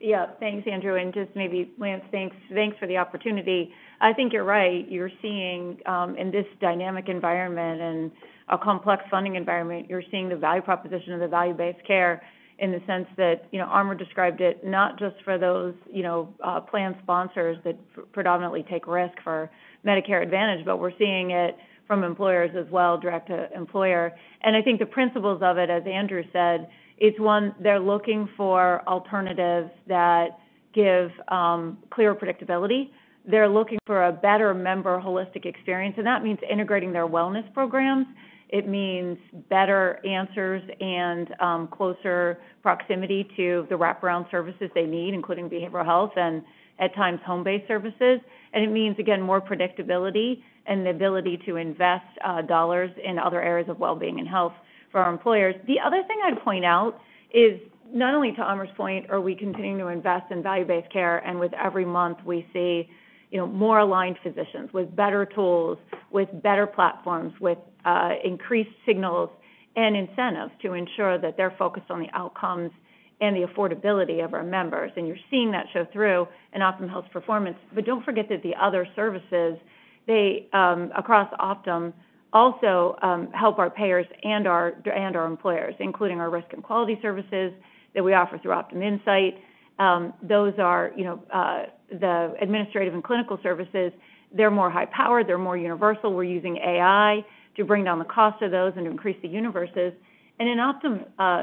Yeah. Thanks, Andrew, and just maybe Lance, thanks for the opportunity. I think you're right. You're seeing in this dynamic environment and a complex funding environment, you're seeing the value proposition of the value-based care in the sense that, you know, Amar described it, not just for those, you know, plan sponsors that predominantly take risk for Medicare Advantage, but we're seeing it from employers as well, direct to employer. And I think the principles of it, as Andrew said, is one, they're looking for alternatives that give clear predictability. They're looking for a better member holistic experience, and that means integrating their wellness programs. It means better answers and closer proximity to the wraparound services they need, including behavioral health and, at times, home-based services. And it means, again, more predictability and the ability to invest, dollars in other areas of wellbeing and health for our employers. The other thing I'd point out is not only to Amar's point, are we continuing to invest in value-based care, and with every month we see, you know, more aligned physicians with better tools, with better platforms, with increased signals and incentives to ensure that they're focused on the outcomes and the affordability of our members. And you're seeing that show through in Optum Health performance. But don't forget that the other services across Optum also help our payers and our employers, including our risk and quality services that we offer through Optum Insight. Those are, you know, the administrative and clinical services. They're more high powered, they're more universal. We're using AI to bring down the cost of those and increase the universes, and in Optum,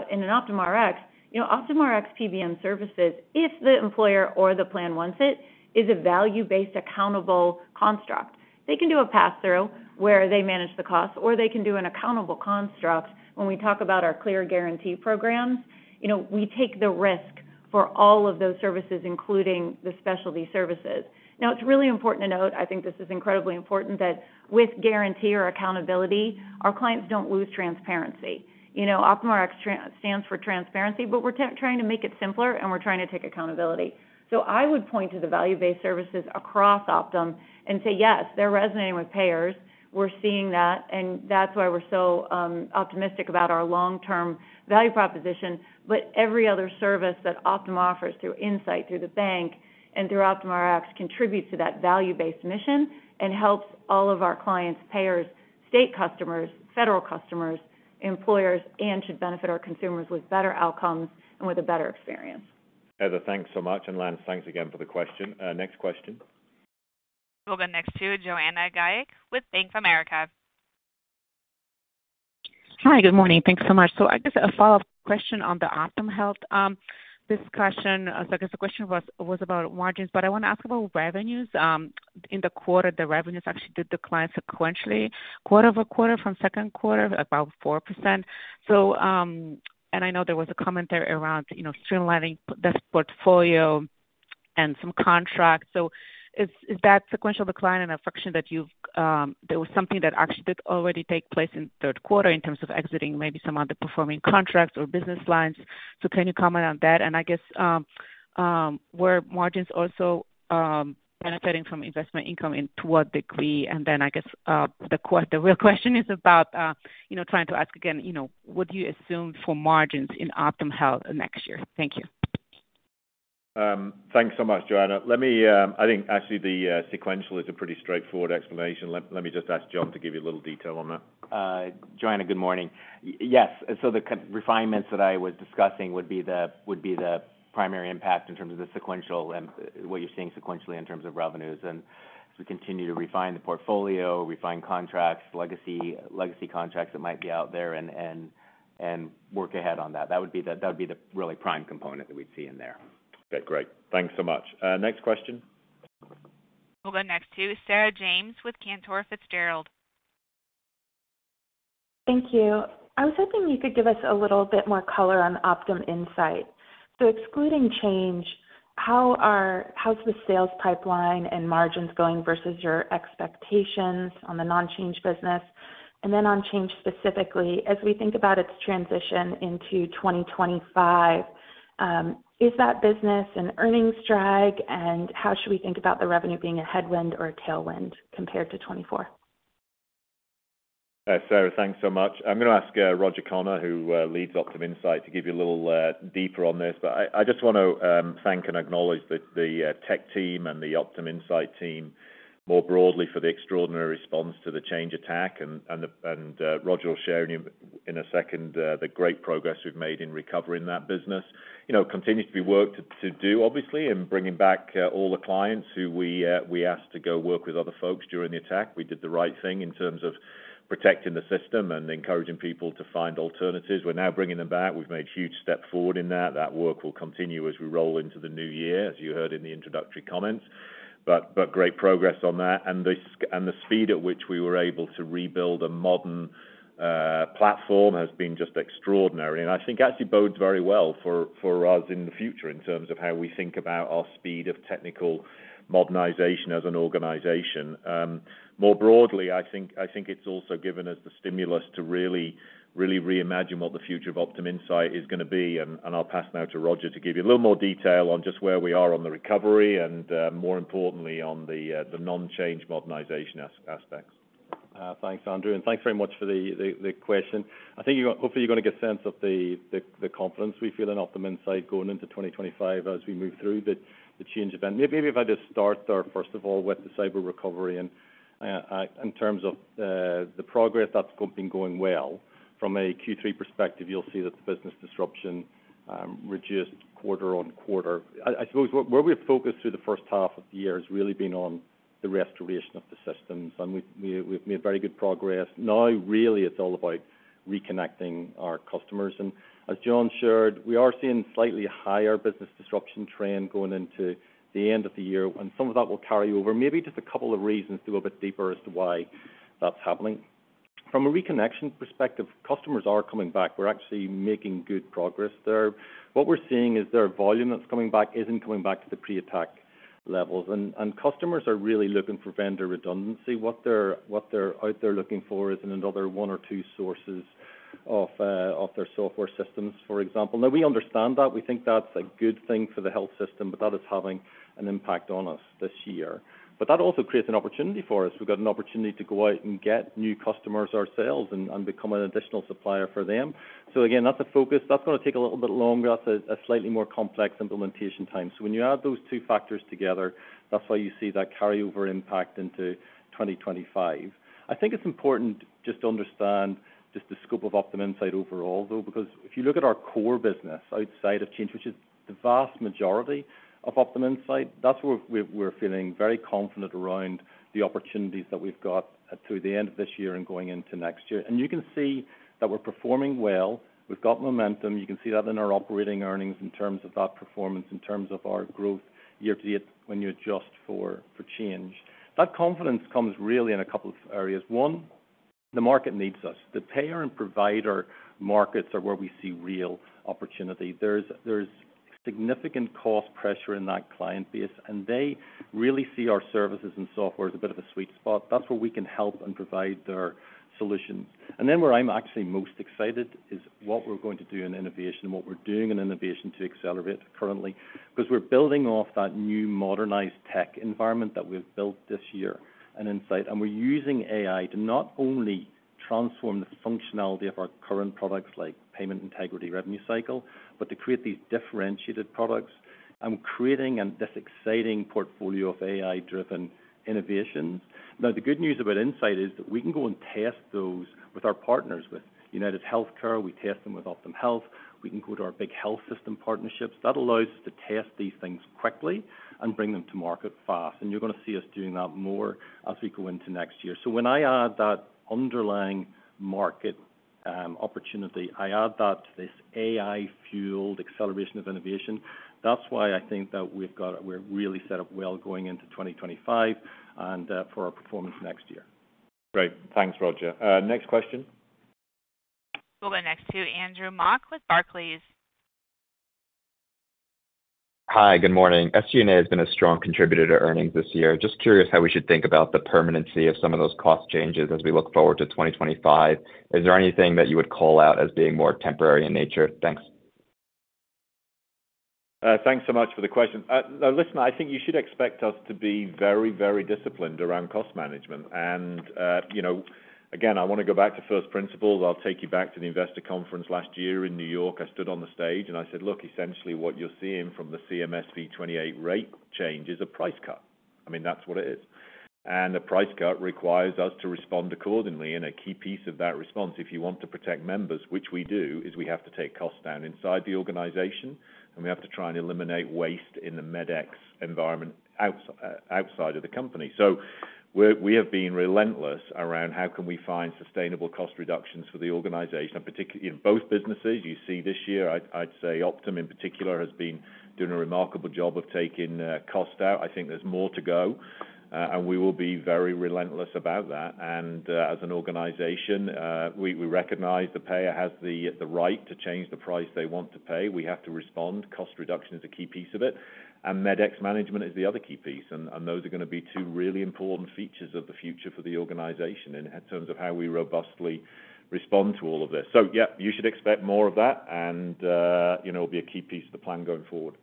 in Optum Rx, you know, Optum Rx PBM services, if the employer or the plan wants it, is a value-based accountable construct. They can do a pass-through, where they manage the cost, or they can do an accountable construct. When we talk about our Clear Guarantee programs, you know, we take the risk for all of those services, including the specialty services. Now, it's really important to note, I think this is incredibly important, that with guarantee or accountability, our clients don't lose transparency. You know, Optum Rx stands for transparency, but we're trying to make it simpler, and we're trying to take accountability, so I would point to the value-based services across Optum and say, yes, they're resonating with payers. We're seeing that, and that's why we're so optimistic about our long-term value proposition. But every other service that Optum offers through Insight, through the bank, and through Optum Rx, contributes to that value-based mission and helps all of our clients, payers, state customers, federal customers, employers, and should benefit our consumers with better outcomes and with a better experience. Heather, thanks so much, and Lance, thanks again for the question. Next question? We'll go next to Joanna Gajuk with Bank of America. Hi, good morning. Thanks so much. So I guess a follow-up question on the Optum Health discussion. So I guess the question was about margins, but I want to ask about revenues. In the quarter, the revenues actually did decline sequentially, quarter over quarter from second quarter, about 4%. So, and I know there was a commentary around, you know, streamlining this portfolio and some contracts. So is that sequential decline and a fraction that you've. There was something that actually did already take place in the third quarter in terms of exiting maybe some underperforming contracts or business lines. So can you comment on that? And I guess were margins also benefiting from investment income, and to what degree? And then I guess, the real question is about, you know, trying to ask again, you know, what do you assume for margins in Optum Health next year? Thank you. Thanks so much, Joanna. I think actually the sequential is a pretty straightforward explanation. Let me just ask John to give you a little detail on that. Joanna, good morning. Yes, so the refinements that I was discussing would be the primary impact in terms of the sequential and what you're seeing sequentially in terms of revenues. And as we continue to refine the portfolio, refine contracts, legacy contracts that might be out there, and work ahead on that, that would be the really prime component that we'd see in there. Okay, great. Thanks so much. Next question? We'll go next to Sarah James with Cantor Fitzgerald. Thank you. I was hoping you could give us a little bit more color on Optum Insight. So excluding Change, how's the sales pipeline and margins going versus your expectations on the non-Change business? And then on Change specifically, as we think about its transition into 2025, is that business an earnings drag, and how should we think about the revenue being a headwind or a tailwind compared to 2024? ... Hi, Sarah. Thanks so much. I'm going to ask Roger Connor, who leads Optum Insight, to give you a little deeper on this. But I just want to thank and acknowledge the tech team and the Optum Insight team more broadly for the extraordinary response to the Change attack. And Roger will share in a second the great progress we've made in recovering that business. You know, continues to be work to do, obviously, in bringing back all the clients who we asked to go work with other folks during the attack. We did the right thing in terms of protecting the system and encouraging people to find alternatives. We're now bringing them back. We've made huge step forward in that. That work will continue as we roll into the new year, as you heard in the introductory comments. But great progress on that, and the speed at which we were able to rebuild a modern platform has been just extraordinary, and I think actually bodes very well for us in the future in terms of how we think about our speed of technical modernization as an organization. More broadly, I think it's also given us the stimulus to really, really reimagine what the future of Optum Insight is going to be. And I'll pass now to Roger to give you a little more detail on just where we are on the recovery, and more importantly, on the non-Change modernization aspects. Thanks, Andrew, and thanks very much for the question. I think, hopefully, you're gonna get a sense of the confidence we feel in Optum Insight going into 2025 as we move through the Change event. Maybe if I just start there, first of all, with the cyber recovery and in terms of the progress, that's been going well. From a Q3 perspective, you'll see that the business disruption reduced quarter on quarter. I suppose where we're focused through the first half of the year has really been on the restoration of the systems, and we've made very good progress. Now, really, it's all about reconnecting our customers, and as John shared, we are seeing slightly higher business disruption trend going into the end of the year, and some of that will carry over. Maybe just a couple of reasons to go a bit deeper as to why that's happening. From a reconnection perspective, customers are coming back. We're actually making good progress there. What we're seeing is their volume that's coming back isn't coming back to the pre-attack levels, and customers are really looking for vendor redundancy. What they're out there looking for is another one or two sources of their software systems, for example. Now we understand that. We think that's a good thing for the health system, but that is having an impact on us this year. But that also creates an opportunity for us. We've got an opportunity to go out and get new customers ourselves and become an additional supplier for them. So again, that's a focus. That's gonna take a little bit longer. That's a slightly more complex implementation time. So when you add those two factors together, that's why you see that carryover impact into 2025. I think it's important just to understand just the scope of Optum Insight overall, though, because if you look at our core business outside of Change, which is the vast majority of Optum Insight, that's where we're feeling very confident around the opportunities that we've got through the end of this year and going into next year. And you can see that we're performing well. We've got momentum. You can see that in our operating earnings in terms of that performance, in terms of our growth year to date, when you adjust for Change. That confidence comes really in a couple of areas. One, the market needs us. The payer and provider markets are where we see real opportunity. There's significant cost pressure in that client base, and they really see our services and software as a bit of a sweet spot. That's where we can help and provide their solution. And then where I'm actually most excited is what we're going to do in innovation and what we're doing in innovation to accelerate currently, because we're building off that new modernized tech environment that we've built this year in Insight, and we're using AI to not only transform the functionality of our current products, like payment integrity, revenue cycle, but to create these differentiated products and creating this exciting portfolio of AI-driven innovations. Now, the good news about Insight is that we can go and test those with our partners. With UnitedHealthcare, we test them with Optum Health. We can go to our big health system partnerships. That allows us to test these things quickly and bring them to market fast, and you're going to see us doing that more as we go into next year. So when I add that underlying market, opportunity, I add that to this AI-fueled acceleration of innovation. That's why I think that we've got. We're really set up well going into 2025 and, for our performance next year. Great. Thanks, Roger. Next question? We'll go next to Andrew Mok with Barclays. Hi, good morning. SG&A has been a strong contributor to earnings this year. Just curious how we should think about the permanency of some of those cost changes as we look forward to 2025. Is there anything that you would call out as being more temporary in nature? Thanks. Thanks so much for the question. Listen, I think you should expect us to be very, very disciplined around cost management, and, you know, again, I want to go back to first principles. I'll take you back to the investor conference last year in New York. I stood on the stage, and I said: Look, essentially, what you're seeing from the CMS V28 rate change is a price cut. I mean, that's what it is. And a price cut requires us to respond accordingly, and a key piece of that response, if you want to protect members, which we do, is we have to take costs down inside the organization, and we have to try and eliminate waste in the MedEx environment outside of the company. So we have been relentless around how can we find sustainable cost reductions for the organization, and particularly in both businesses. You see, this year, I'd say Optum, in particular, has been doing a remarkable job of taking cost out. I think there's more to go, and we will be very relentless about that. And, as an organization, we recognize the payer has the right to change the price they want to pay. We have to respond. Cost reduction is a key piece of it, and meds management is the other key piece. And those are gonna be two really important features of the future for the organization in terms of how we robustly respond to all of this. So yeah, you should expect more of that, and you know, it'll be a key piece of the plan going forward.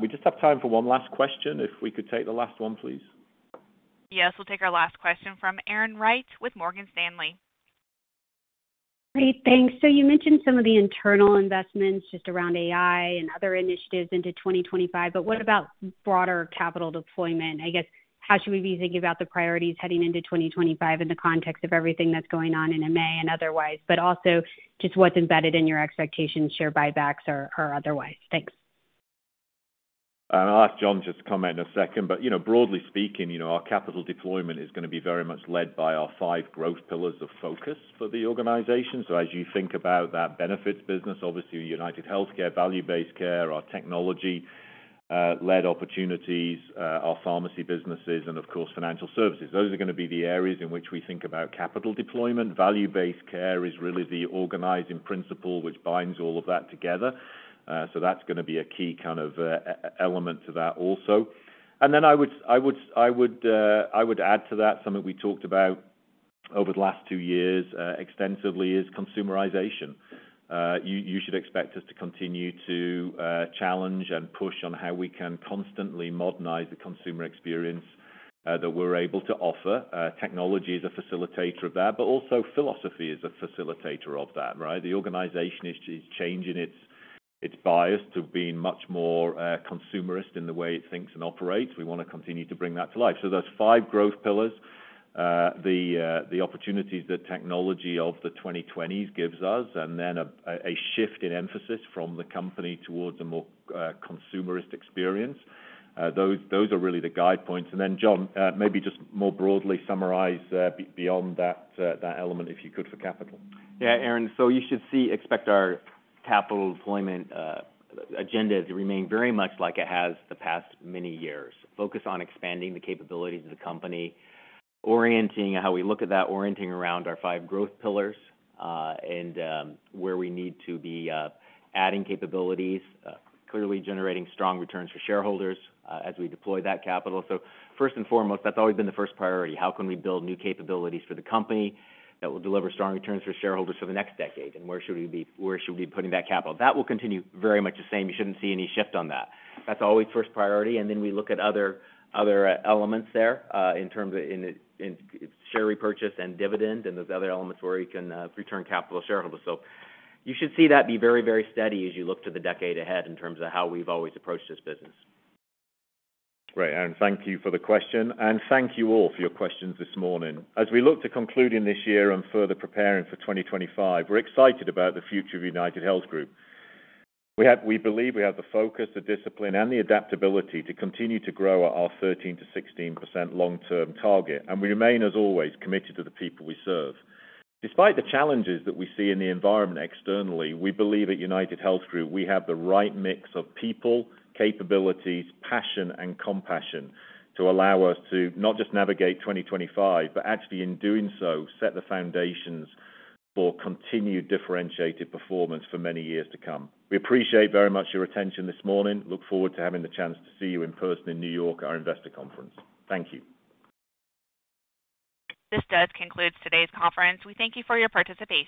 We just have time for one last question. If we could take the last one, please. Yes, we'll take our last question from Erin Wright with Morgan Stanley. Great, thanks. So you mentioned some of the internal investments just around AI and other initiatives into 2025, but what about broader capital deployment? I guess, how should we be thinking about the priorities heading into 2025 in the context of everything that's going on in MA and otherwise, but also just what's embedded in your expectations, share buybacks or, or otherwise? Thanks. I'll ask John just to comment in a second, but, you know, broadly speaking, you know, our capital deployment is gonna be very much led by our five growth pillars of focus for the organization. So as you think about that benefits business, obviously, UnitedHealthcare, value-based care, our technology led opportunities, our pharmacy businesses and of course, financial services. Those are gonna be the areas in which we think about capital deployment. Value-based care is really the organizing principle which binds all of that together. So that's gonna be a key kind of element to that also. And then I would add to that, something we talked about over the last two years extensively, is consumerization. You should expect us to continue to challenge and push on how we can constantly modernize the consumer experience that we're able to offer. Technology is a facilitator of that, but also philosophy is a facilitator of that, right? The organization is changing its bias to being much more consumerist in the way it thinks and operates. We wanna continue to bring that to life. So those five growth pillars, the opportunities, the technology of the twenty twenties gives us, and then a shift in emphasis from the company towards a more consumerist experience. Those are really the guide points. And then, John, maybe just more broadly summarize beyond that element, if you could, for capital. Yeah, Erin, so you should see. Expect our capital deployment agenda to remain very much like it has the past many years. Focus on expanding the capabilities of the company, orienting how we look at that, orienting around our five growth pillars, and where we need to be adding capabilities, clearly generating strong returns for shareholders, as we deploy that capital. So first and foremost, that's always been the first priority. How can we build new capabilities for the company that will deliver strong returns for shareholders for the next decade? And where should we be putting that capital? That will continue very much the same. You shouldn't see any shift on that. That's always first priority. And then we look at other elements there in terms of share repurchase and dividend, and those other elements where we can return capital to shareholders. So you should see that be very, very steady as you look to the decade ahead in terms of how we've always approached this business. Great, Erin, thank you for the question, and thank you all for your questions this morning. As we look to concluding this year and further preparing for twenty twenty-five, we're excited about the future of UnitedHealth Group. We believe we have the focus, the discipline, and the adaptability to continue to grow our 13%-16% long-term target, and we remain, as always, committed to the people we serve. Despite the challenges that we see in the environment externally, we believe at UnitedHealth Group, we have the right mix of people, capabilities, passion and compassion to allow us to not just navigate twenty twenty-five, but actually, in doing so, set the foundations for continued differentiated performance for many years to come. We appreciate very much your attention this morning. Look forward to having the chance to see you in person in New York, our investor conference. Thank you. This does conclude today's conference. We thank you for your participation.